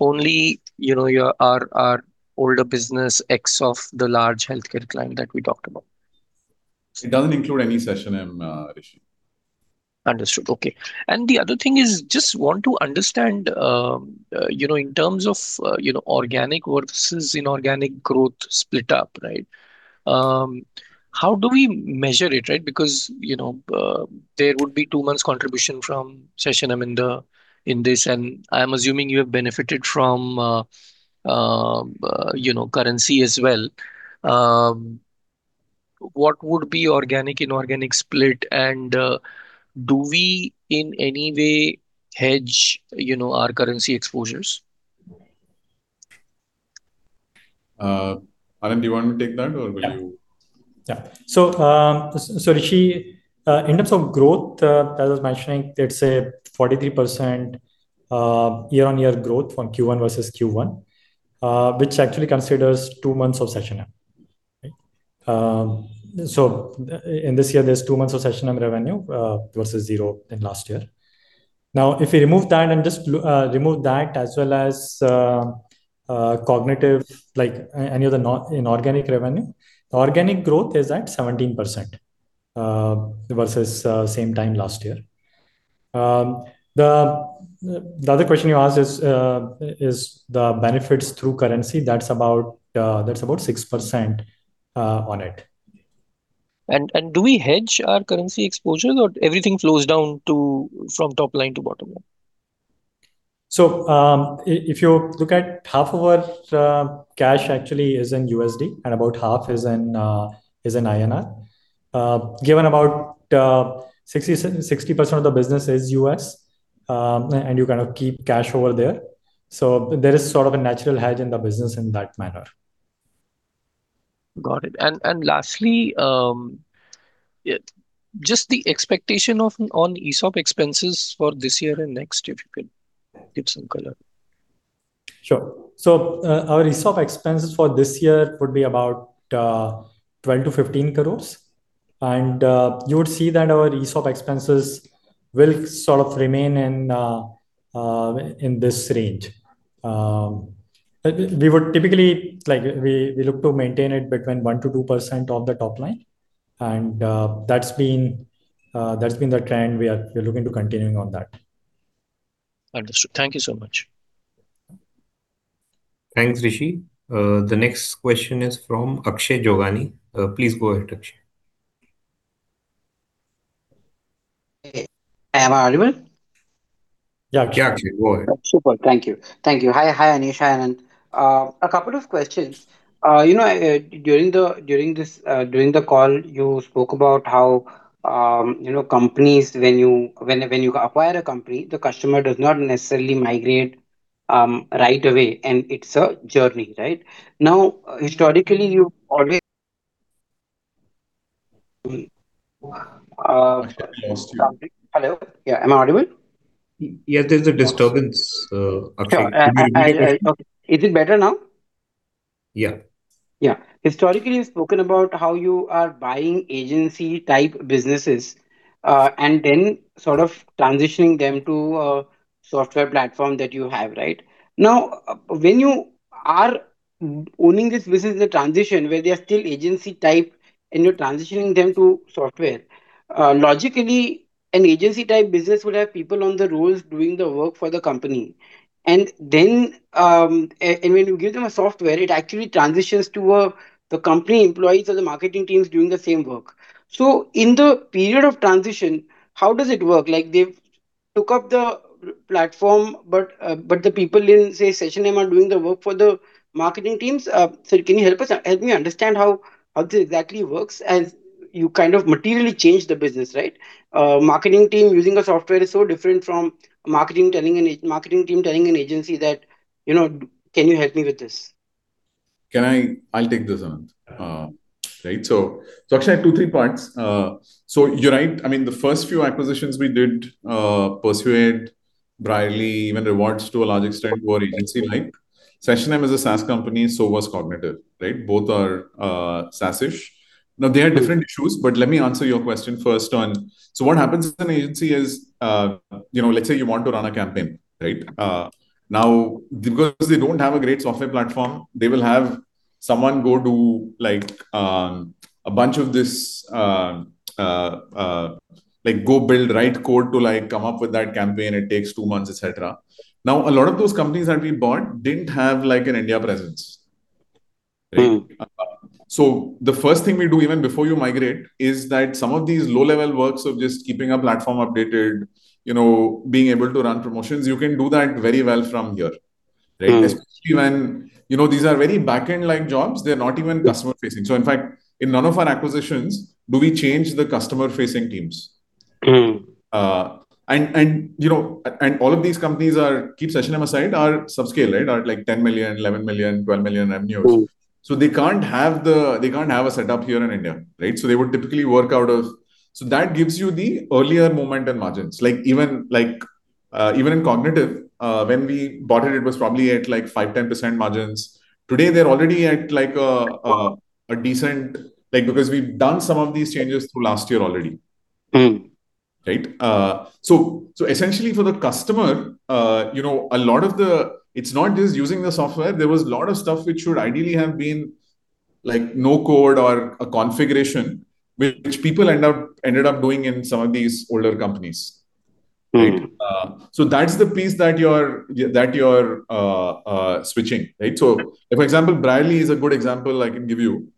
only your older business X of the large healthcare client that we talked about?
It doesn't include any SessionM, Rishi.
Understood. Okay. The other thing is, just want to understand, in terms of organic versus inorganic growth split up, how do we measure it? Because there would be two months contribution from SessionM in this, and I am assuming you have benefited from currency as well. What would be organic-inorganic split, and do we in any way hedge our currency exposures?
Anant, do you want me to take that or will you?
Yeah. Rishi, in terms of growth, as I was mentioning, it's a 43% year-on-year growth from Q1 versus Q1, which actually considers two months of SessionM. In this year, there's two months of SessionM revenue versus zero in last year. Now, if we remove that, and just remove that as well as Kognitiv, like any other inorganic revenue, organic growth is at 17% versus same time last year. The other question you asked is the benefits through currency. That's about 6% on it.
Do we hedge our currency exposure or everything flows down from top line to bottom line?
If you look at half of our cash actually is in USD and about half is in INR. Given about 60% of the business is U.S., and you kind of keep cash over there. There is sort of a natural hedge in the business in that manner.
Got it. Lastly, just the expectation on ESOP expenses for this year and next, if you could give some color.
Sure. Our ESOP expenses for this year would be about 12 crores-15 crores. You would see that our ESOP expenses will sort of remain in this range. We would typically look to maintain it between 1%-2% of the top line, and that's been the trend. We are looking to continuing on that.
Understood. Thank you so much.
Thanks, Rishi. The next question is from Akshay Jogani. Please go ahead, Akshay.
Hey. Am I audible?
Yeah, Akshay, go ahead.
Super. Thank you. Hi, Aneesh. Hi, Anant. A couple of questions. During the call, you spoke about how when you acquire a company, the customer does not necessarily migrate right away, and it's a journey, right? Now, historically, you always Hello? Yeah. Am I audible?
Yes, there's a disturbance, Akshay. Can you-
Sure. Is it better now?
Yeah.
Yeah. Historically, you've spoken about how you are buying agency-type businesses, then sort of transitioning them to a software platform that you have, right? Now, when you are owning this business in the transition where they are still agency-type and you're transitioning them to software, logically an agency-type business would have people on the rolls doing the work for the company. When you give them a software, it actually transitions to the company employees or the marketing teams doing the same work. In the period of transition, how does it work? Like they've took up the platform, but the people in, say, SessionM are doing the work for the marketing teams. Can you help me understand how this exactly works as you kind of materially change the business, right? Marketing team using a software is so different from marketing team telling an agency that, "Can you help me with this?
I'll take this, Anant. Right. Akshay, I have two, three points. You're right. I mean, the first few acquisitions we did, Persuade, Brierley, even Rewards+ to a large extent, were agency-like. SessionM is a SaaS company, so was Kognitiv, right? Both are SaaS-ish. Now, they are different issues, but let me answer your question first. What happens in an agency is, let's say you want to run a campaign. Now, because they don't have a great software platform, they will have someone go do a bunch of this, like go build right code to come up with that campaign. It takes two months, et cetera. Now, a lot of those companies that we bought didn't have an India presence. The first thing we do even before you migrate is that some of these low-level works of just keeping a platform updated, being able to run promotions, you can do that very well from here. Especially when these are very back end-like jobs. They're not even customer-facing. In fact, in none of our acquisitions do we change the customer-facing teams. All of these companies are, keep SessionM aside, are subscale. Are like 10 million, 11 million, 12 million revenues. They can't have a setup here in India, right? They would typically work out of. That gives you the earlier momentum margins. Even in Kognitiv, when we bought it was probably at 5%, 10% margins. Today, they're already at a decent, because we've done some of these changes through last year already. Right? Essentially for the customer, it's not just using the software. There was a lot of stuff which should ideally have been no code or a configuration, which people ended up doing in some of these older companies. That's the piece that you're switching. For example, Brierley is a good example I can give you.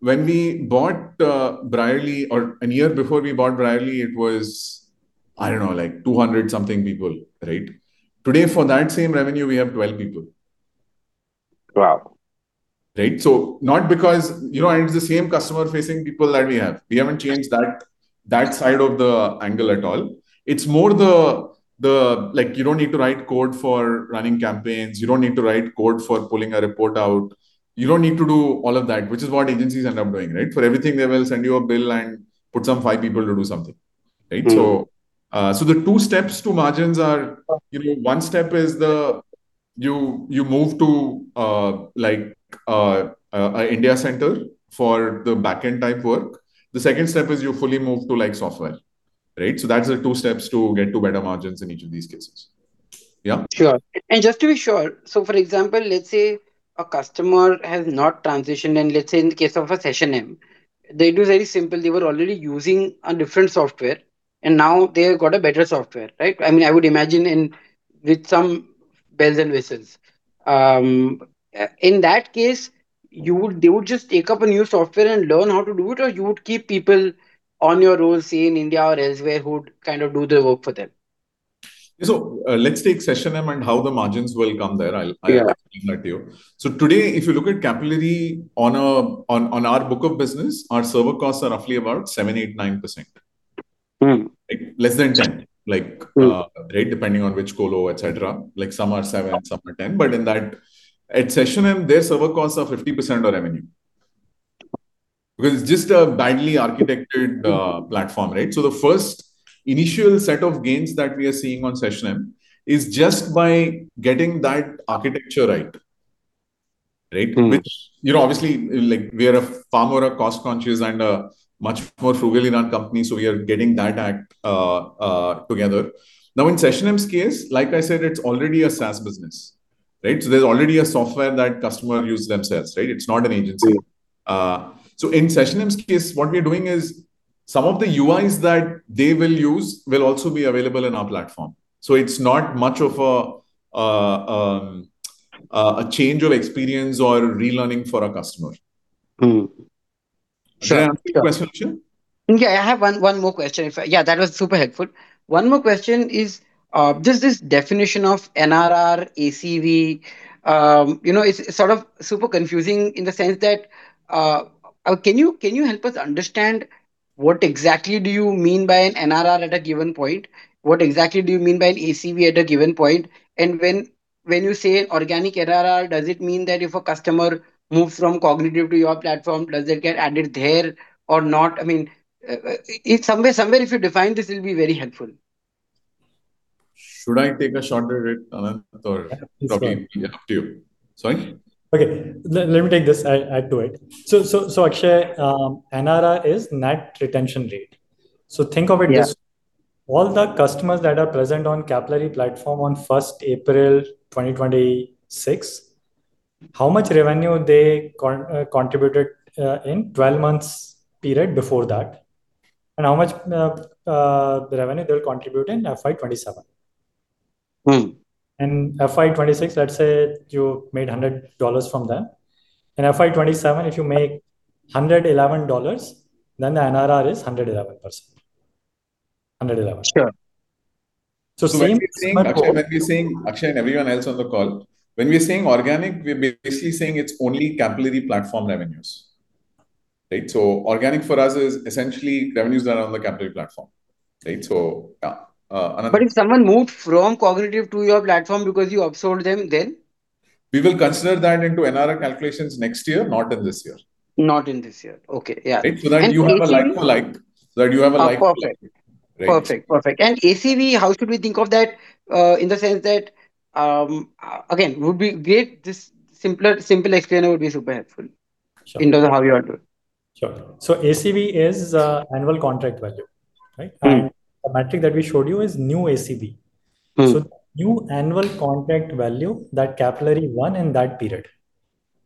When we bought Brierley, or a year before we bought Brierley, it was, I don't know, 200 something people. Today, for that same revenue, we have 12 people.
Wow.
It's the same customer-facing people that we have. We haven't changed that side of the angle at all. It's more you don't need to write code for running campaigns. You don't need to write code for pulling a report out. You don't need to do all of that, which is what agencies end up doing. For everything, they will send you a bill and put some five people to do something. The two steps to margins are, one step is you move to an India center for the back-end type work. The second step is you fully move to software. Those are the two steps to get to better margins in each of these cases. Yeah?
Sure. Just to be sure, for example, let's say a customer has not transitioned, and let's say in the case of a SessionM, it was very simple. They were already using a different software, and now they have got a better software. I would imagine with some bells and whistles. In that case, they would just take up a new software and learn how to do it, or you would keep people on your roll, say, in India or elsewhere, who would do the work for them?
Let's take SessionM and how the margins will come there.
Yeah.
I'll explain that to you. Today, if you look at Capillary on our book of business, our server costs are roughly about 7%, 8%, 9%. Less than 10%. Depending on which colo, et cetera. Some are seven and some are 10. At SessionM, their server costs are 50% of revenue, because it's just a badly architected platform. The first initial set of gains that we are seeing on SessionM is just by getting that architecture right. Obviously, we are far more cost-conscious and much more frugal in our company, we are getting that act together. In SessionM's case, like I said, it's already a SaaS business. There's already a software that customer use themselves. It's not an agency. In SessionM's case, what we are doing is some of the UIs that they will use will also be available in our platform. It's not much of a change of experience or relearning for our customer. Should I answer your question, Akshay?
Yeah, I have one more question. That was super helpful. One more question is, just this definition of NRR, ACV, it's sort of super confusing in the sense that. Can you help us understand what exactly do you mean by an NRR at a given point? What exactly do you mean by an ACV at a given point? When you say organic NRR, does it mean that if a customer moves from Kognitiv to your platform, does it get added there or not? If somewhere you define this, it'll be very helpful.
Should I take a shot at it, Anant, or-
Yeah.
Up to you. Sorry?
Okay. Let me take this. I'll add to it. Akshay, NRR is net retention rate. Think of it as all the customers that are present on Capillary platform on 1st April 2026, how much revenue they contributed in 12 months period before that, and how much revenue they'll contribute in FY 2027. In FY 2026, let's say you made INR 100 from them. In FY 2027, if you make INR 111, then the NRR is 111%.
Sure.
So same-
Akshay and everyone else on the call, when we're saying organic, we're basically saying it's only Capillary platform revenues. Organic for us is essentially revenues that are on the Capillary platform. Anant?
If someone moved from Kognitiv to your platform because you absorbed them, then?
We will consider that into NRR calculations next year, not in this year.
Not in this year. Okay. Yeah.
That you have a like to like. Right?
Perfect. ACV, how should we think of that? In the sense that, again, this simpler explainer would be super helpful in terms of how you want to.
Sure. ACV is annual contract value. The metric that we showed you is new ACV. New annual contract value that Capillary won in that period.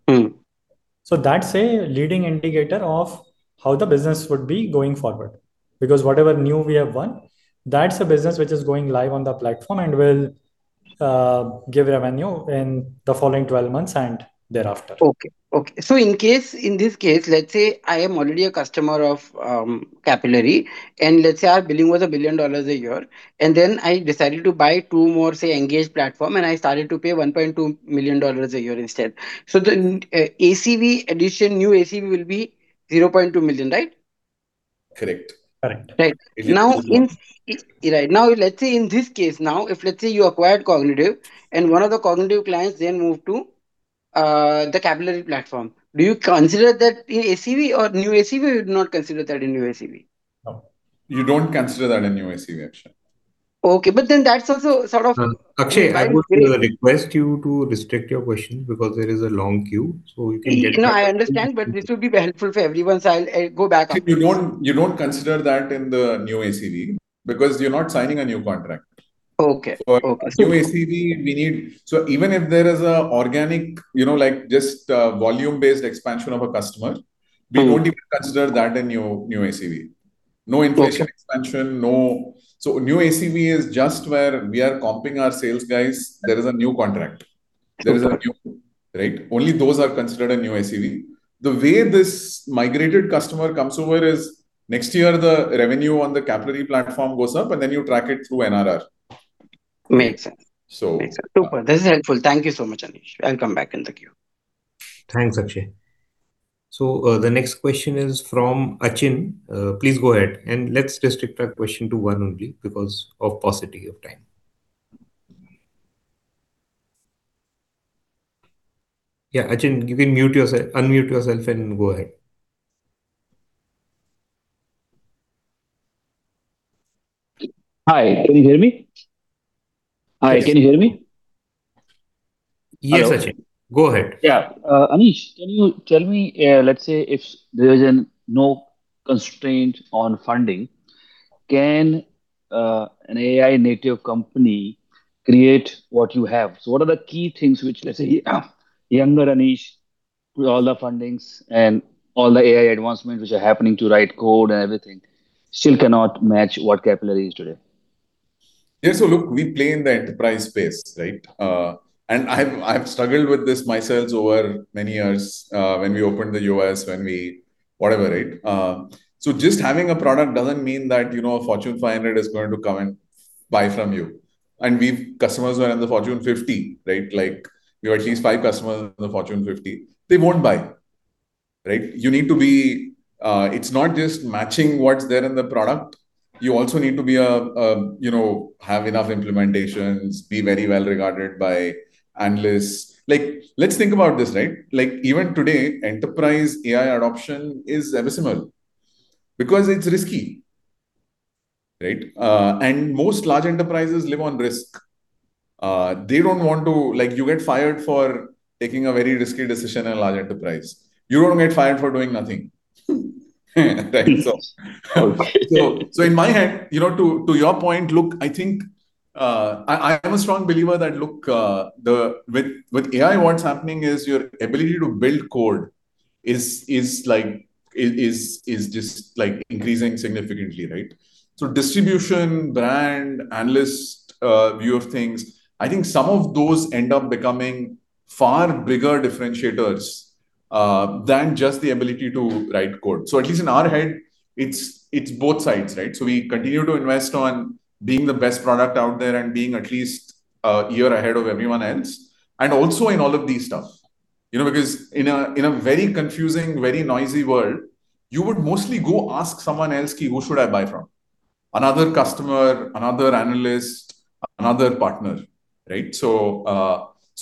That's a leading indicator of how the business would be going forward. Because whatever new we have won, that's the business which is going live on the platform and will give revenue in the following 12 months and thereafter.
In this case, let's say I am already a customer of Capillary, let's say our billing was INR 1 billion a year. Then I decided to buy two more, say, Engage+ platform, I started to pay INR 1.2 million a year instead. The ACV addition, new ACV will be 0.2 million, right?
Correct.
Right. Let's say in this case, if let's say you acquired Kognitiv and one of the Kognitiv clients moved to the Capillary platform, do you consider that in ACV or new ACV? We do not consider that in new ACV.
You don't consider that in new ACV, actually.
That's also sort of-
Akshay, I would request you to restrict your question because there is a long queue.
No, I understand, but this would be helpful for everyone, so I'll go back after this.
You don't consider that in the new ACV because you're not signing a new contract.
Okay.
New ACV, even if there is an organic volume-based expansion of a customer, we don't even consider that a new ACV. New ACV is just where we are comping our sales guys, there is a new contract. Right? Only those are considered a new ACV. The way this migrated customer comes over is next year, the revenue on the Capillary platform goes up, and then you track it through NRR.
Makes sense. Super. This is helpful. Thank you so much, Aneesh. I'll come back in the queue.
Thanks, Akshay. The next question is from Achin. Please go ahead, and let's restrict our question to one only because of paucity of time. Achin, you can unmute yourself and go ahead.
Hi, can you hear me?
Yes, Achin. Go ahead.
Yeah. Aneesh, can you tell me, let's say if there is no constraint on funding, can an AI native company create what you have? What are the key things which, let's say younger Aneesh, with all the fundings and all the AI advancements which are happening to write code and everything, still cannot match what Capillary Technologies is today?
Yeah. Look, we play in the enterprise space, right? I've struggled with this myself over many years, when we opened the U.S., whatever, right? Just having a product doesn't mean that a Fortune 500 is going to come and buy from you. We've customers who are in the Fortune 50, right? We have at least five customers in the Fortune 50. They won't buy, right? It's not just matching what's there in the product. You also need to have enough implementations, be very well-regarded by analysts. Let's think about this, right? Even today, enterprise AI adoption is abysmal because it's risky, right? Most large enterprises live on risk. You get fired for taking a very risky decision in a large enterprise. You don't get fired for doing nothing. Right?
Okay
In my head, to your point, I am a strong believer that with AI, what's happening is your ability to build code is just increasing significantly, right? Distribution, brand, analyst view of things, I think some of those end up becoming far bigger differentiators than just the ability to write code. At least in our head, it's both sides, right? We continue to invest on being the best product out there and being at least a year ahead of everyone else. Also in all of this stuff. Because in a very confusing, very noisy world, you would mostly go ask someone else, "Who should I buy from?" Another customer, another analyst, another partner, right?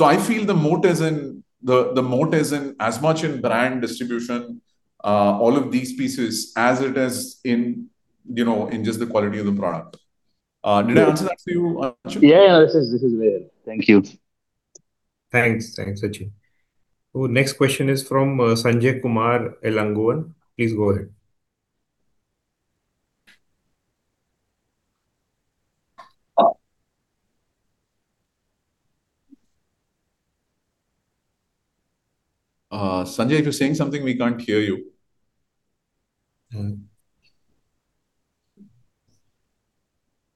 I feel the moat is in as much in brand distribution, all of these pieces as it is in just the quality of the product. Did I answer that for you, Achin?
Yeah. This is very helpful. Thank you.
Thanks. Thanks, Achin. Next question is from Sanjay Kumar Elangoan. Please go ahead.
Sanjay, if you're saying something, we can't hear you.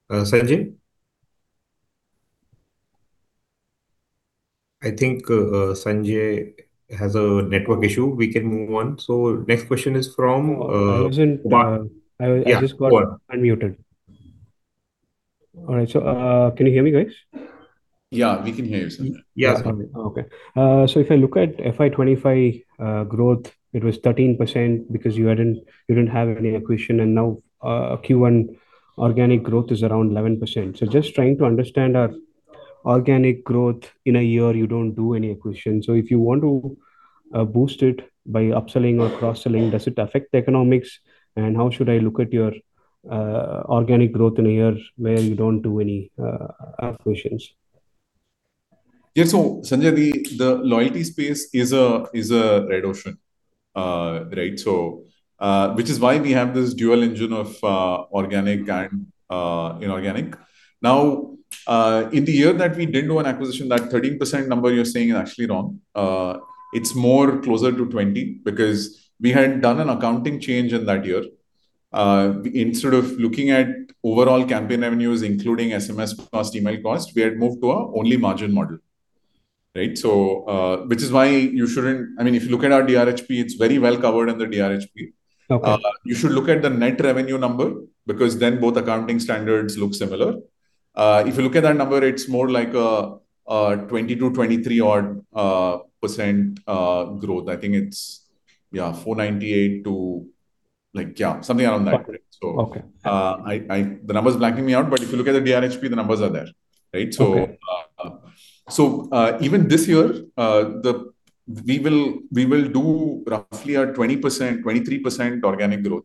Sanjay? I think Sanjay has a network issue. We can move on. Next question is from
I was in-
Yeah, go on.
I just got unmuted. All right. Can you hear me guys?
Yeah, we can hear you, Sanjay.
Okay. If I look at FY 2025 growth, it was 13% because you didn't have any acquisition, now Q1 organic growth is around 11%. Just trying to understand organic growth in a year you don't do any acquisition. If you want to boost it by upselling or cross-selling, does it affect the economics? How should I look at your organic growth in a year where you don't do any acquisitions?
Yeah. Sanjay, the loyalty space is a red ocean, right? Which is why we have this dual engine of organic and inorganic. In the year that we didn't do an acquisition, that 13% number you're saying is actually wrong. It's more closer to 20 because we had done an accounting change in that year. Instead of looking at overall campaign revenues, including SMS cost, email cost, we had moved to a only margin model. Right? Which is why you shouldn't. If you look at our DRHP, it's very well covered in the DRHP.
Okay.
You should look at the net revenue number because then both accounting standards look similar. If you look at that number, it's more like a 20%-23%-odd growth. I think it's, yeah, 498. Yeah, something around that. The number's blanking me out, if you look at the DRHP, the numbers are there. Right? Even this year, we will do roughly a 20%-23% organic growth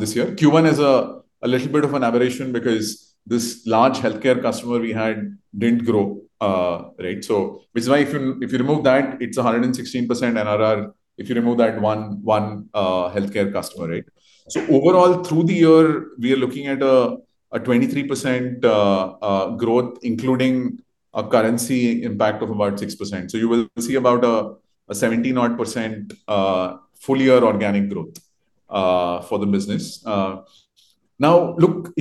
this year. Q1 is a little bit of an aberration because this large healthcare customer we had didn't grow. Which is why if you remove that, it's 116% NRR, if you remove that one healthcare customer. Overall through the year, we are looking at a 23% growth including a currency impact of about 6%. You will see about a 17%-odd full-year organic growth for the business. If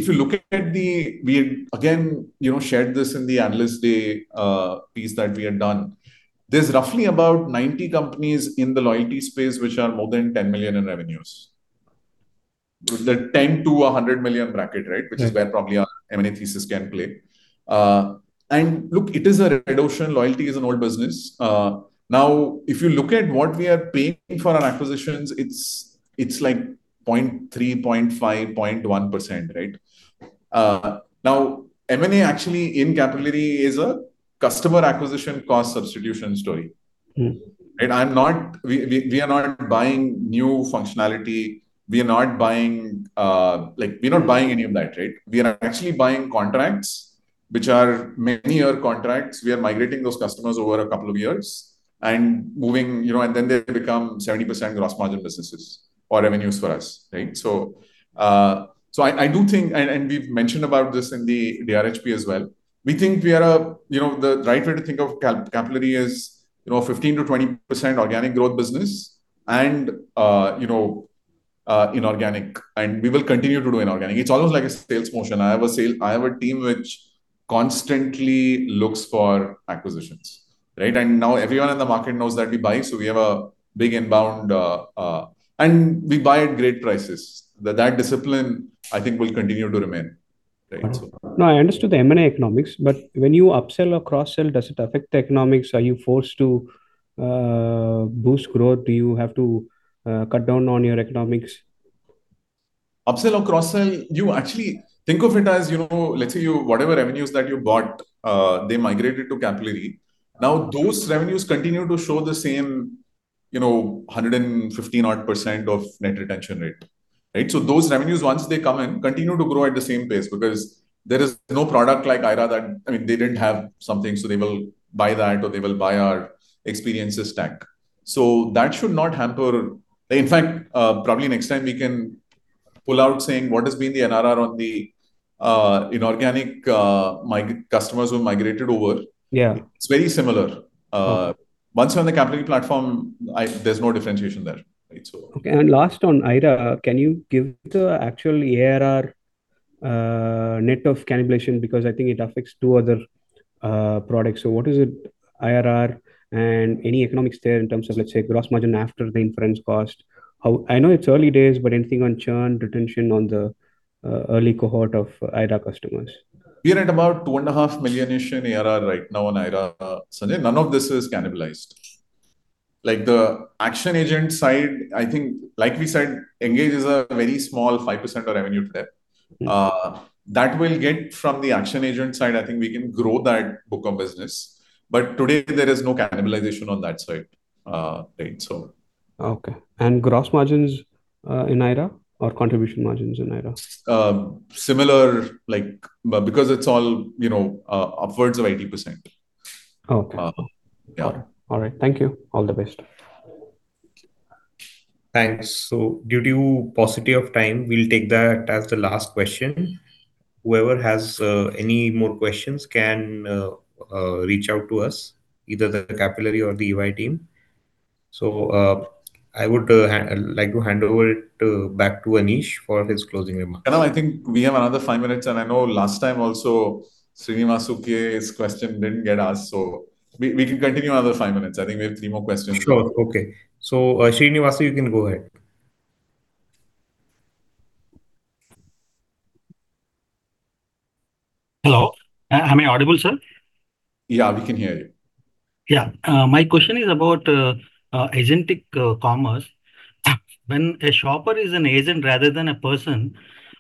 you look at, we had again shared this in the analyst day piece that we had done. There's roughly about 90 companies in the loyalty space which are more than 10 million in revenues. The 10 million-100 million bracket. Which is where probably our M&A thesis can play. Look, it is a red ocean. Loyalty is an old business. If you look at what we are paying for our acquisitions, it's like 0.3%, 0.5%, 0.1%. M&A actually in Capillary is a customer acquisition cost substitution story. We are not buying new functionality. We are not buying any of that. We are actually buying contracts, which are many-year contracts. We are migrating those customers over a couple of years and then they become 70% gross margin businesses or revenues for us. I do think, and we've mentioned about this in the DRHP as well. We think the right way to think of Capillary is 15%-20% organic growth business and inorganic. We will continue to do inorganic. It's almost like a sales motion. I have a team which constantly looks for acquisitions. Everyone in the market knows that we buy, so we have a big inbound, and we buy at great prices. That discipline, I think will continue to remain.
No, I understood the M&A economics, but when you upsell or cross-sell, does it affect the economics? Are you forced to boost growth? Do you have to cut down on your economics?
Upsell or cross-sell, you actually think of it as, let's say whatever revenues that you got they migrated to Capillary. Those revenues continue to show the same 150% odd of net retention rate. Those revenues, once they come in, continue to grow at the same pace because there is no product like aiRA. They didn't have something, so they will buy that or they will buy our experiences stack. That should not hamper. In fact, probably next time we can pull out saying what has been the NRR on the inorganic customers who migrated over.
Yeah.
It's very similar. Once you're on the Capillary platform, there's no differentiation there.
Okay. Last on aiRA, can you give the actual ARR net of cannibalization? Because I think it affects two other products. What is it, ARR and any economics there in terms of, let's say, gross margin after the inference cost? I know it's early days, but anything on churn, retention on the early cohort of aiRA customers?
We're at about 2.5 millionish in ARR right now on aiRA, Sanjay. None of this is cannibalized. The action agent side, I think, like we said, Engage+ is a very small 5% of revenue today. That will get from the action agent side, I think we can grow that book of business, but today there is no cannibalization on that side.
Okay. Gross margins in aiRA or contribution margins in aiRA?
Similar, because it's all upwards of 80%.
Okay.
Yeah.
All right. Thank you. All the best.
Thanks. Due to paucity of time, we'll take that as the last question. Whoever has any more questions can reach out to us, either the Capillary Technologies or the EY team. I would like to hand over it back to Aneesh for his closing remarks.
I think we have another five minutes. I know last time also Srinivas UK's question didn't get asked, so we can continue another five minutes. I think we have three more questions.
Sure. Okay. Srinivas, you can go ahead.
Hello, am I audible, sir?
Yeah, we can hear you.
Yeah. My question is about agentic commerce. When a shopper is an agent rather than a person,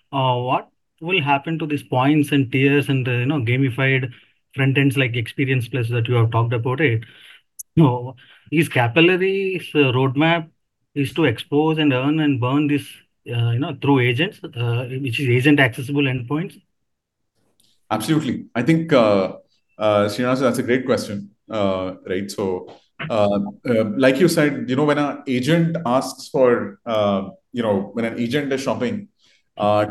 what will happen to these points and tiers and gamified front ends like experience places that you have talked about? Is Capillary's roadmap is to expose and earn and burn this through agents, which is agent-accessible endpoints?
Absolutely. I think, Srinivas, that's a great question. Like you said, when an agent is shopping,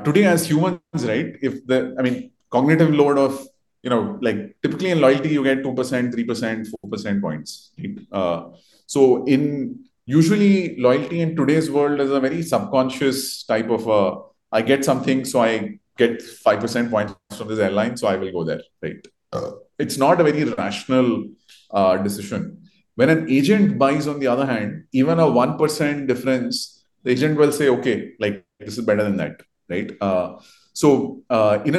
today as humans, the cognitive load. Typically in loyalty, you get 2%, 3%, 4% points. Usually loyalty in today's world is a very subconscious type of, "I get something, so I get 5% points from this airline, so I will go there." It's not a very rational decision. When an agent buys, on the other hand, even a 1% difference, the agent will say, "Okay, this is better than that." In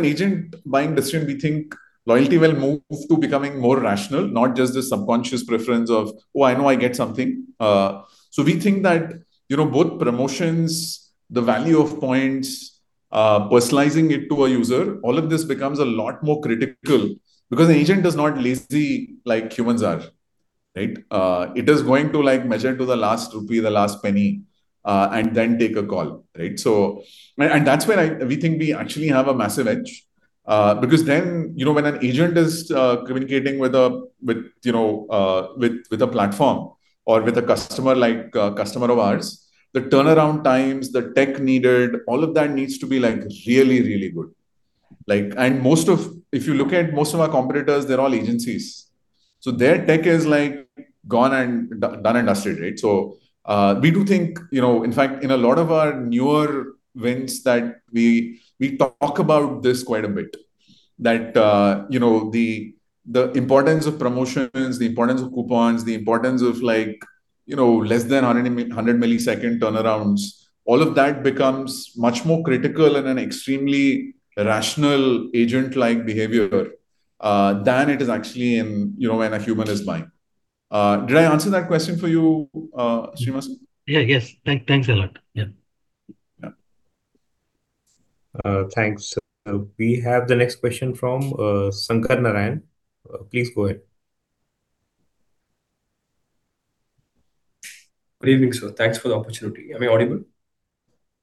an agent-buying decision, we think loyalty will move to becoming more rational, not just the subconscious preference of, "Oh, I know I get something." We think that both promotions, the value of points, personalizing it to a user, all of this becomes a lot more critical because an agent is not lazy like humans are, right? It is going to measure to the last rupee, the last penny, and then take a call. That's where we think we actually have a massive edge. When an agent is communicating with a platform or with a customer, like a customer of ours, the turnaround times, the tech needed, all of that needs to be really, really good. If you look at most of our competitors, they're all agencies. Their tech is done and dusted. We do think, in fact, in a lot of our newer wins that we talk about this quite a bit, that the importance of promotions, the importance of coupons, the importance of less than 100-millisecond turnarounds, all of that becomes much more critical in an extremely rational agent-like behavior, than it is actually in when a human is buying. Did I answer that question for you, Srinivas?
Yeah. Yes. Thanks a lot. Yeah.
Yeah.
Thanks. We have the next question from Shankar Narayan. Please go ahead.
Good evening, sir. Thanks for the opportunity. Am I audible?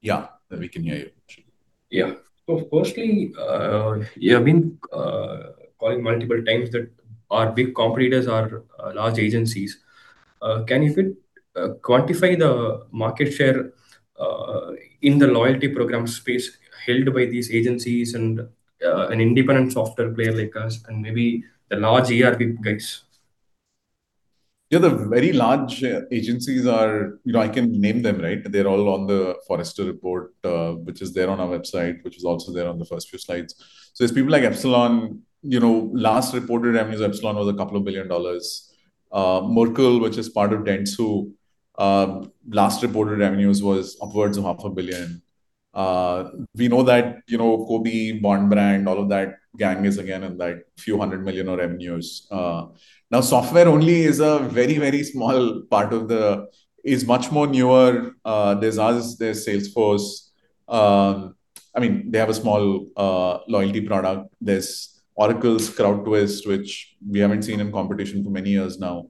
Yeah. We can hear you.
Yeah. Firstly, you have been calling multiple times that our big competitors are large agencies. Can you quantify the market share in the loyalty program space held by these agencies and an independent software player like us and maybe the large ERP guys?
Yeah, the very large agencies are. I can name them, right? They're all on the Forrester report, which is there on our website, which is also there on the first few slides. It's people like Epsilon. Last reported revenues, Epsilon was a couple of billion INR. Merkle, which is part of Dentsu, last reported revenues was upwards of half a billion INR. We know that Kobie, Bond Brand, all of that gang is again in few hundred million INR of revenues. Software-only is a very, very small part of the, is much more newer. There's us, there's Salesforce. They have a small loyalty product. There's Oracle's CrowdTwist, which we haven't seen in competition for many years now.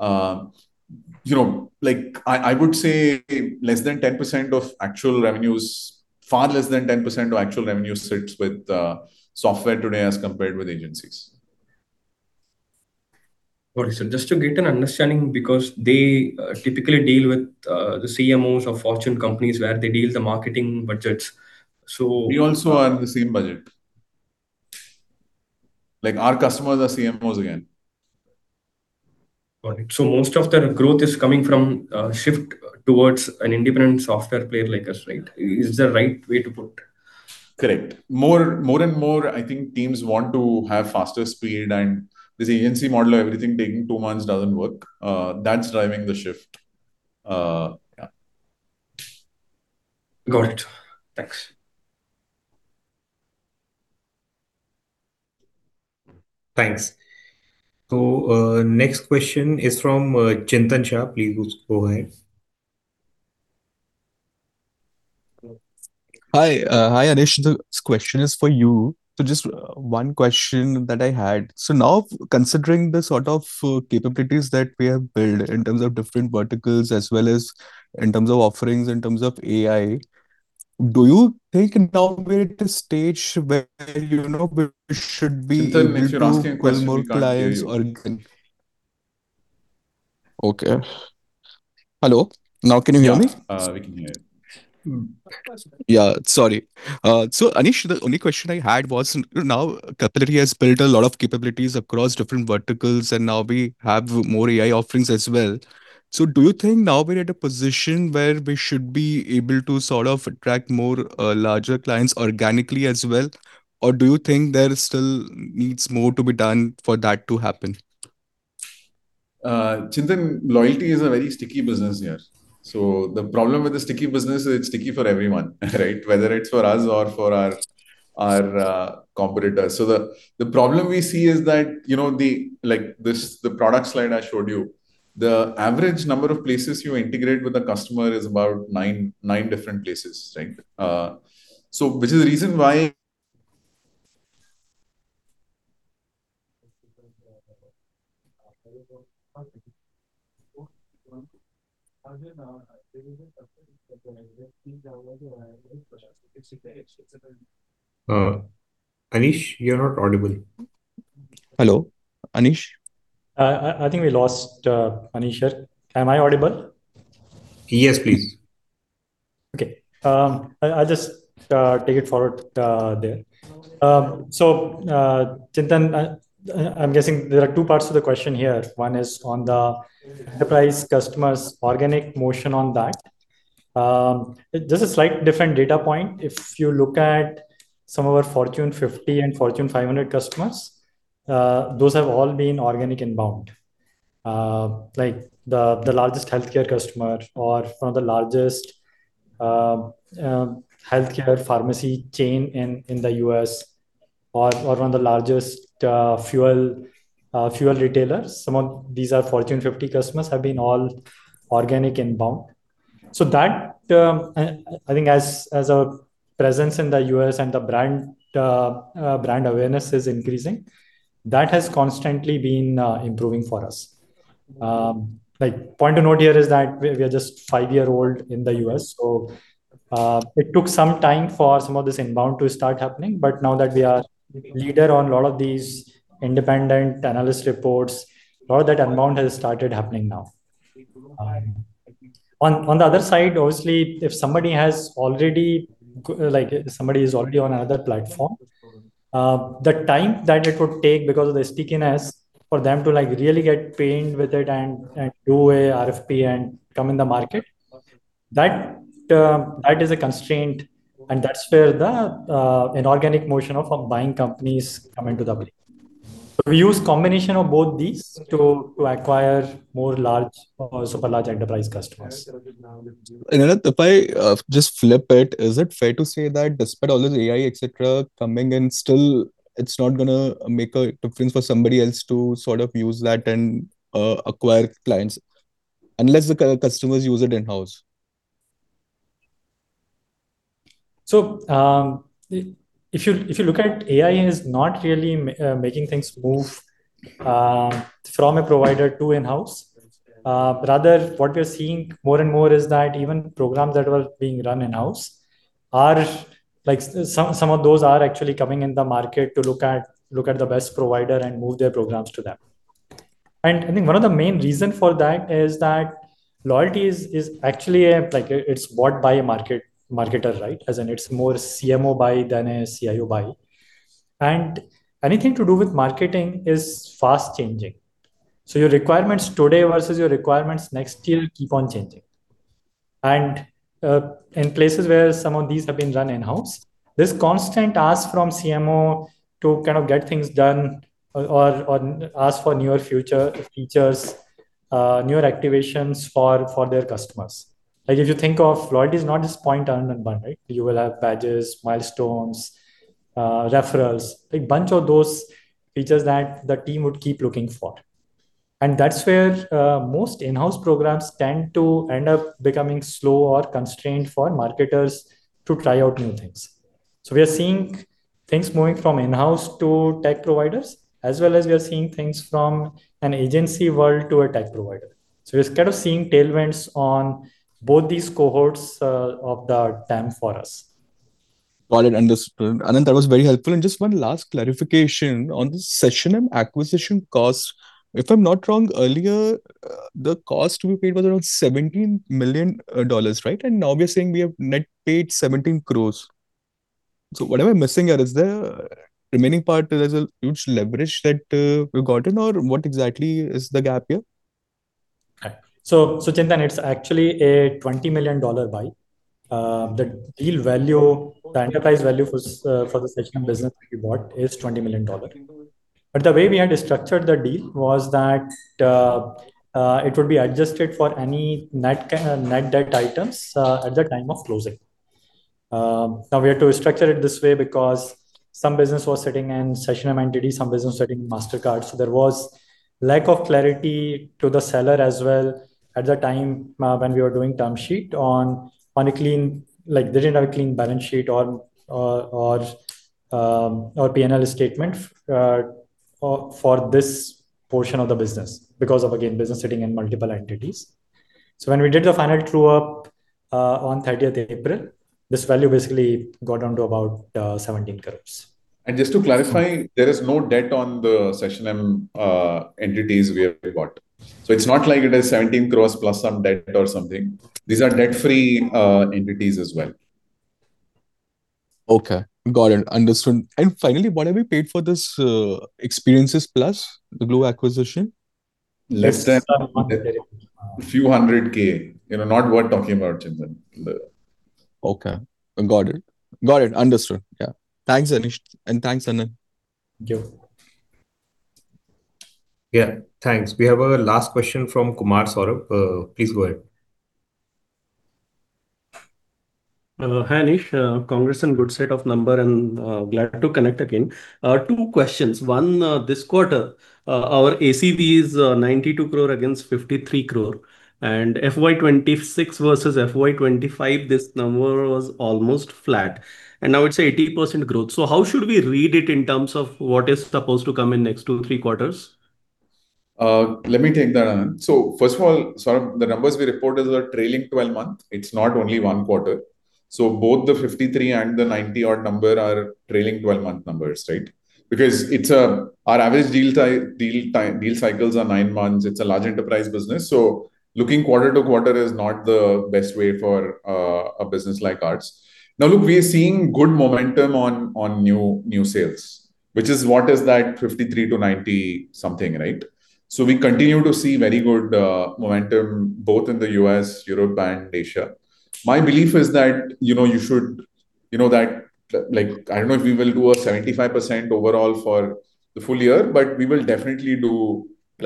I would say less than 10% of actual revenues, far less than 10% of actual revenues sits with software today as compared with agencies.
Got it, sir. Just to get an understanding, because they typically deal with the CMOs of Fortune companies, where they deal with the marketing budgets.
We also are in the same budget. Our customers are CMOs again.
Got it. Most of their growth is coming from a shift towards an independent software player like us, right? Is the right way to put?
Correct. More and more, I think teams want to have faster speed, this agency model of everything taking two months doesn't work. That's driving the shift. Yeah.
Got it. Thanks.
Thanks. Next question is from Chintan Shah. Please go ahead.
Hi. Hi, Aneesh. This question is for you. Just one question that I had. Now, considering the sort of capabilities that we have built in terms of different verticals as well as in terms of offerings, in terms of AI, do you think now we're at a stage where we should be able to-
Chintan, if you're asking a question, we can't hear you.
more clients or Okay. Hello? Now can you hear me?
Yeah. We can hear you.
Aneesh, the only question I had was, now Capillary has built a lot of capabilities across different verticals, and now we have more AI offerings as well. Do you think now we're at a position where we should be able to sort of attract more larger clients organically as well? Do you think there still needs more to be done for that to happen?
Chintan, loyalty is a very sticky business here. The problem with a sticky business is it's sticky for everyone, right? Whether it's for us or for our competitors. The problem we see is that, the product slide I showed you, the average number of places you integrate with a customer is about nine different places. Which is the reason why-
Aneesh, you're not audible.
Hello? Aneesh? I think we lost Aneesh here. Am I audible?
Yes, please.
Okay. I'll just take it forward there. Chintan, I'm guessing there are two parts to the question here. One is on the enterprise customer's organic motion on that. There's a slight different data point. If you look at some of our Fortune 50 and Fortune 500 customers, those have all been organic inbound. Like the largest healthcare customer or one of the largest healthcare pharmacy chain in the U.S. One of the largest fuel retailers. Some of these are Fortune 50 customers, have been all organic inbound. That, I think as our presence in the U.S. and the brand awareness is increasing, that has constantly been improving for us. Point to note here is that we are just five year old in the U.S. It took some time for some of this inbound to start happening, but now that we are leader on a lot of these independent analyst reports, a lot of that inbound has started happening now. On the other side, obviously, if somebody is already on another platform, the time that it would take because of the stickiness for them to really get pained with it and do a RFP and come in the market, that is a constraint, and that's where the inorganic motion of buying companies come into the play. We use combination of both these to acquire more large or super large enterprise customers.
Anant, if I just flip it, is it fair to say that despite all this AI, et cetera, coming in still, it's not going to make a difference for somebody else to use that and acquire clients unless the customers use it in-house?
If you look at AI is not really making things move from a provider to in-house. Rather, what we're seeing more and more is that even programs that were being run in-house, some of those are actually coming in the market to look at the best provider and move their programs to them. I think one of the main reason for that is that loyalty is actually, it's bought by a marketer, right? As in, it's more CMO buy than a CIO buy. Anything to do with marketing is fast-changing. Your requirements today versus your requirements next year keep on changing. In places where some of these have been run in-house, this constant ask from CMO to get things done or ask for newer features, newer activations for their customers. If you think of loyalty is not just point earn and burn, right? You will have badges, milestones, referrals, a bunch of those features that the team would keep looking for. That's where most in-house programs tend to end up becoming slow or constrained for marketers to try out new things. We are seeing things moving from in-house to tech providers, as well as we are seeing things from an agency world to a tech provider. We're seeing tailwinds on both these cohorts of the time for us.
Got it. Understood. That was very helpful. Just one last clarification on the SessionM acquisition cost. If I'm not wrong, earlier, the cost we paid was around $17 million, right? Now we are saying we have net paid 17 crores. What am I missing here? Is the remaining part, there's a huge leverage that we've gotten, or what exactly is the gap here?
Chintan, it's actually a $20 million buy. The enterprise value for the SessionM business that we bought is $20 million. The way we had structured the deal was that, it would be adjusted for any net debt items at the time of closing. Now we had to structure it this way because some business was sitting in SessionM entity, some business sitting Mastercard, there was lack of clarity to the seller as well at the time when we were doing term sheet, they didn't have a clean balance sheet or P&L statement for this portion of the business because of, again, business sitting in multiple entities. When we did the final true-up, on 30th April, this value basically got down to about 17 crores.
Just to clarify, there is no debt on the SessionM entities we have bought. It's not like it is 17 crores plus some debt or something. These are debt-free entities as well.
Okay. Got it. Understood. Finally, what have we paid for this Experiences Plus, the CustomerGlu acquisition?
Less than few hundred K. Not worth talking about, Chintan.
Okay. Got it. Got it. Understood. Yeah. Thanks, Aneesh, and thanks, Anant.
Thank you.
Yeah. Thanks. We have a last question from Kumar Saurabh. Please go ahead.
Hi, Aneesh. Congrats on good set of number and glad to connect again. Two questions. One, this quarter, our ACV is 92 crore against 53 crore, and FY 2026 versus FY 2025, this number was almost flat. Now it's 80% growth. How should we read it in terms of what is supposed to come in next two, three quarters?
Let me take that, Anant. First of all, Saurabh, the numbers we reported are trailing 12 month. It's not only one quarter. Both the 53 and the 90-odd number are trailing 12-month numbers, right? Because our average deal cycles are nine months. It's a large enterprise business. Looking quarter to quarter is not the best way for a business like ours. Now, look, we are seeing good momentum on new sales, which is what is that 53 to 90 something, right? We continue to see very good momentum both in the U.S., Europe and Asia. My belief is that, I don't know if we will do a 75% overall for the full-year, but we will definitely do at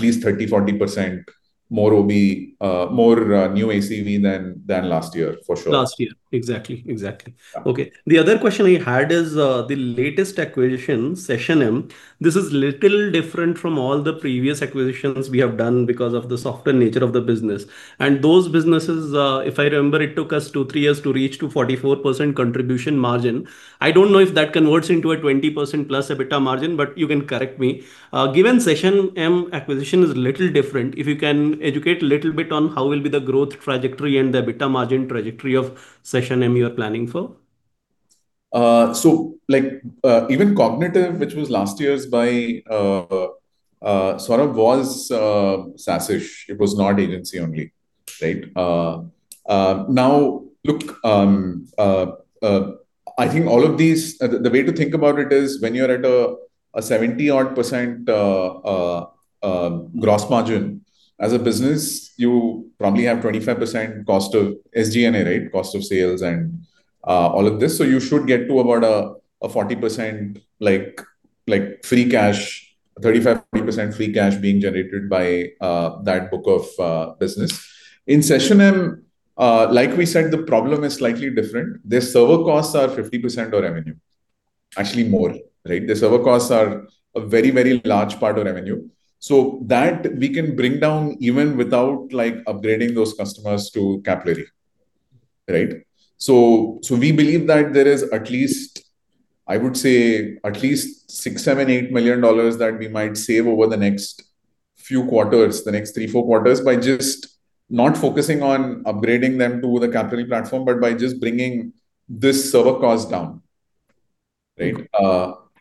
least 30%, 40% More will be more new ACV than last year, for sure.
Last year. Exactly. Okay. The other question we had is the latest acquisition, SessionM. This is little different from all the previous acquisitions we have done because of the softer nature of the business. Those businesses, if I remember, it took us two, three years to reach to 44% contribution margin. I don't know if that converts into a 20%+ EBITDA margin, but you can correct me. Given SessionM acquisition is a little different, if you can educate a little bit on how will be the growth trajectory and the EBITDA margin trajectory of SessionM you're planning for?
Even Kognitiv, which was last year's by Saurabh, was SaaS-ish. It was not agency only. Right? Look, I think all of these-- The way to think about it is when you are at a 70%-odd gross margin as a business, you probably have 25% cost of SG&A, cost of sales, and all of this. You should get to about a 40%, like free cash, 35%-40% free cash being generated by that book of business. In SessionM, like we said, the problem is slightly different. Their server costs are 50% of revenue, actually more. Right? Their server costs are a very large part of revenue. That we can bring down even without upgrading those customers to Capillary. Right? We believe that there is at least, I would say, at least $6 million, $7 million, $8 million that we might save over the next few quarters, the next three, four quarters, by just not focusing on upgrading them to the Capillary platform, but by just bringing this server cost down. Right?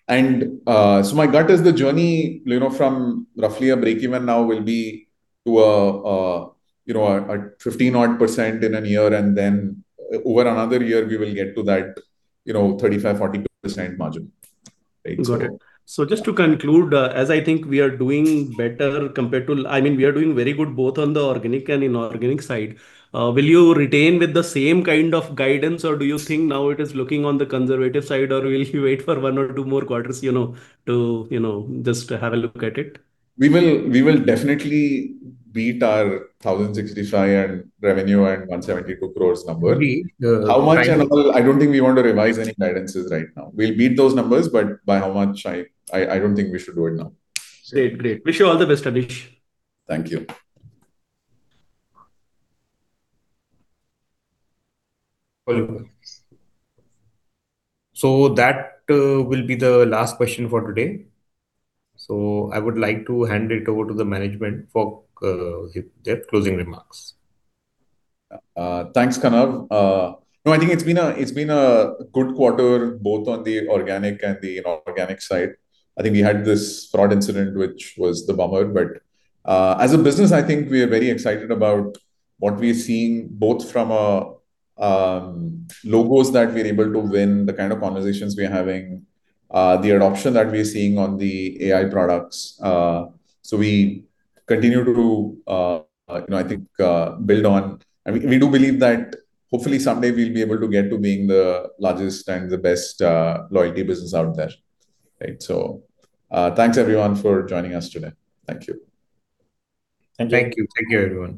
My gut is the journey from roughly a break-even now will be to a 15%-odd in an year, and then over another year, we will get to that 35%-40% margin. Right.
Got it. Just to conclude, as I think we are doing better. We are doing very good both on the organic and inorganic side. Will you retain with the same kind of guidance, or do you think now it is looking on the conservative side, or will you wait for one or two more quarters to just have a look at it?
We will definitely beat our 1,065 revenue and 172 crores number.
Agreed.
How much and all, I don't think we want to revise any guidances right now. We'll beat those numbers, but by how much, I don't think we should do it now.
Great. Wish you all the best, Aneesh.
Thank you.
That will be the last question for today. I would like to hand it over to the management for their closing remarks.
Thanks, Kanav. I think it's been a good quarter both on the organic and the inorganic side. I think we had this fraud incident, which was the bummer. As a business, I think we are very excited about what we're seeing, both from logos that we're able to win, the kind of conversations we're having, the adoption that we're seeing on the AI products. We do believe that hopefully someday we'll be able to get to being the largest and the best loyalty business out there. Right. Thanks everyone for joining us today. Thank you.
Thank you. Take care, everyone.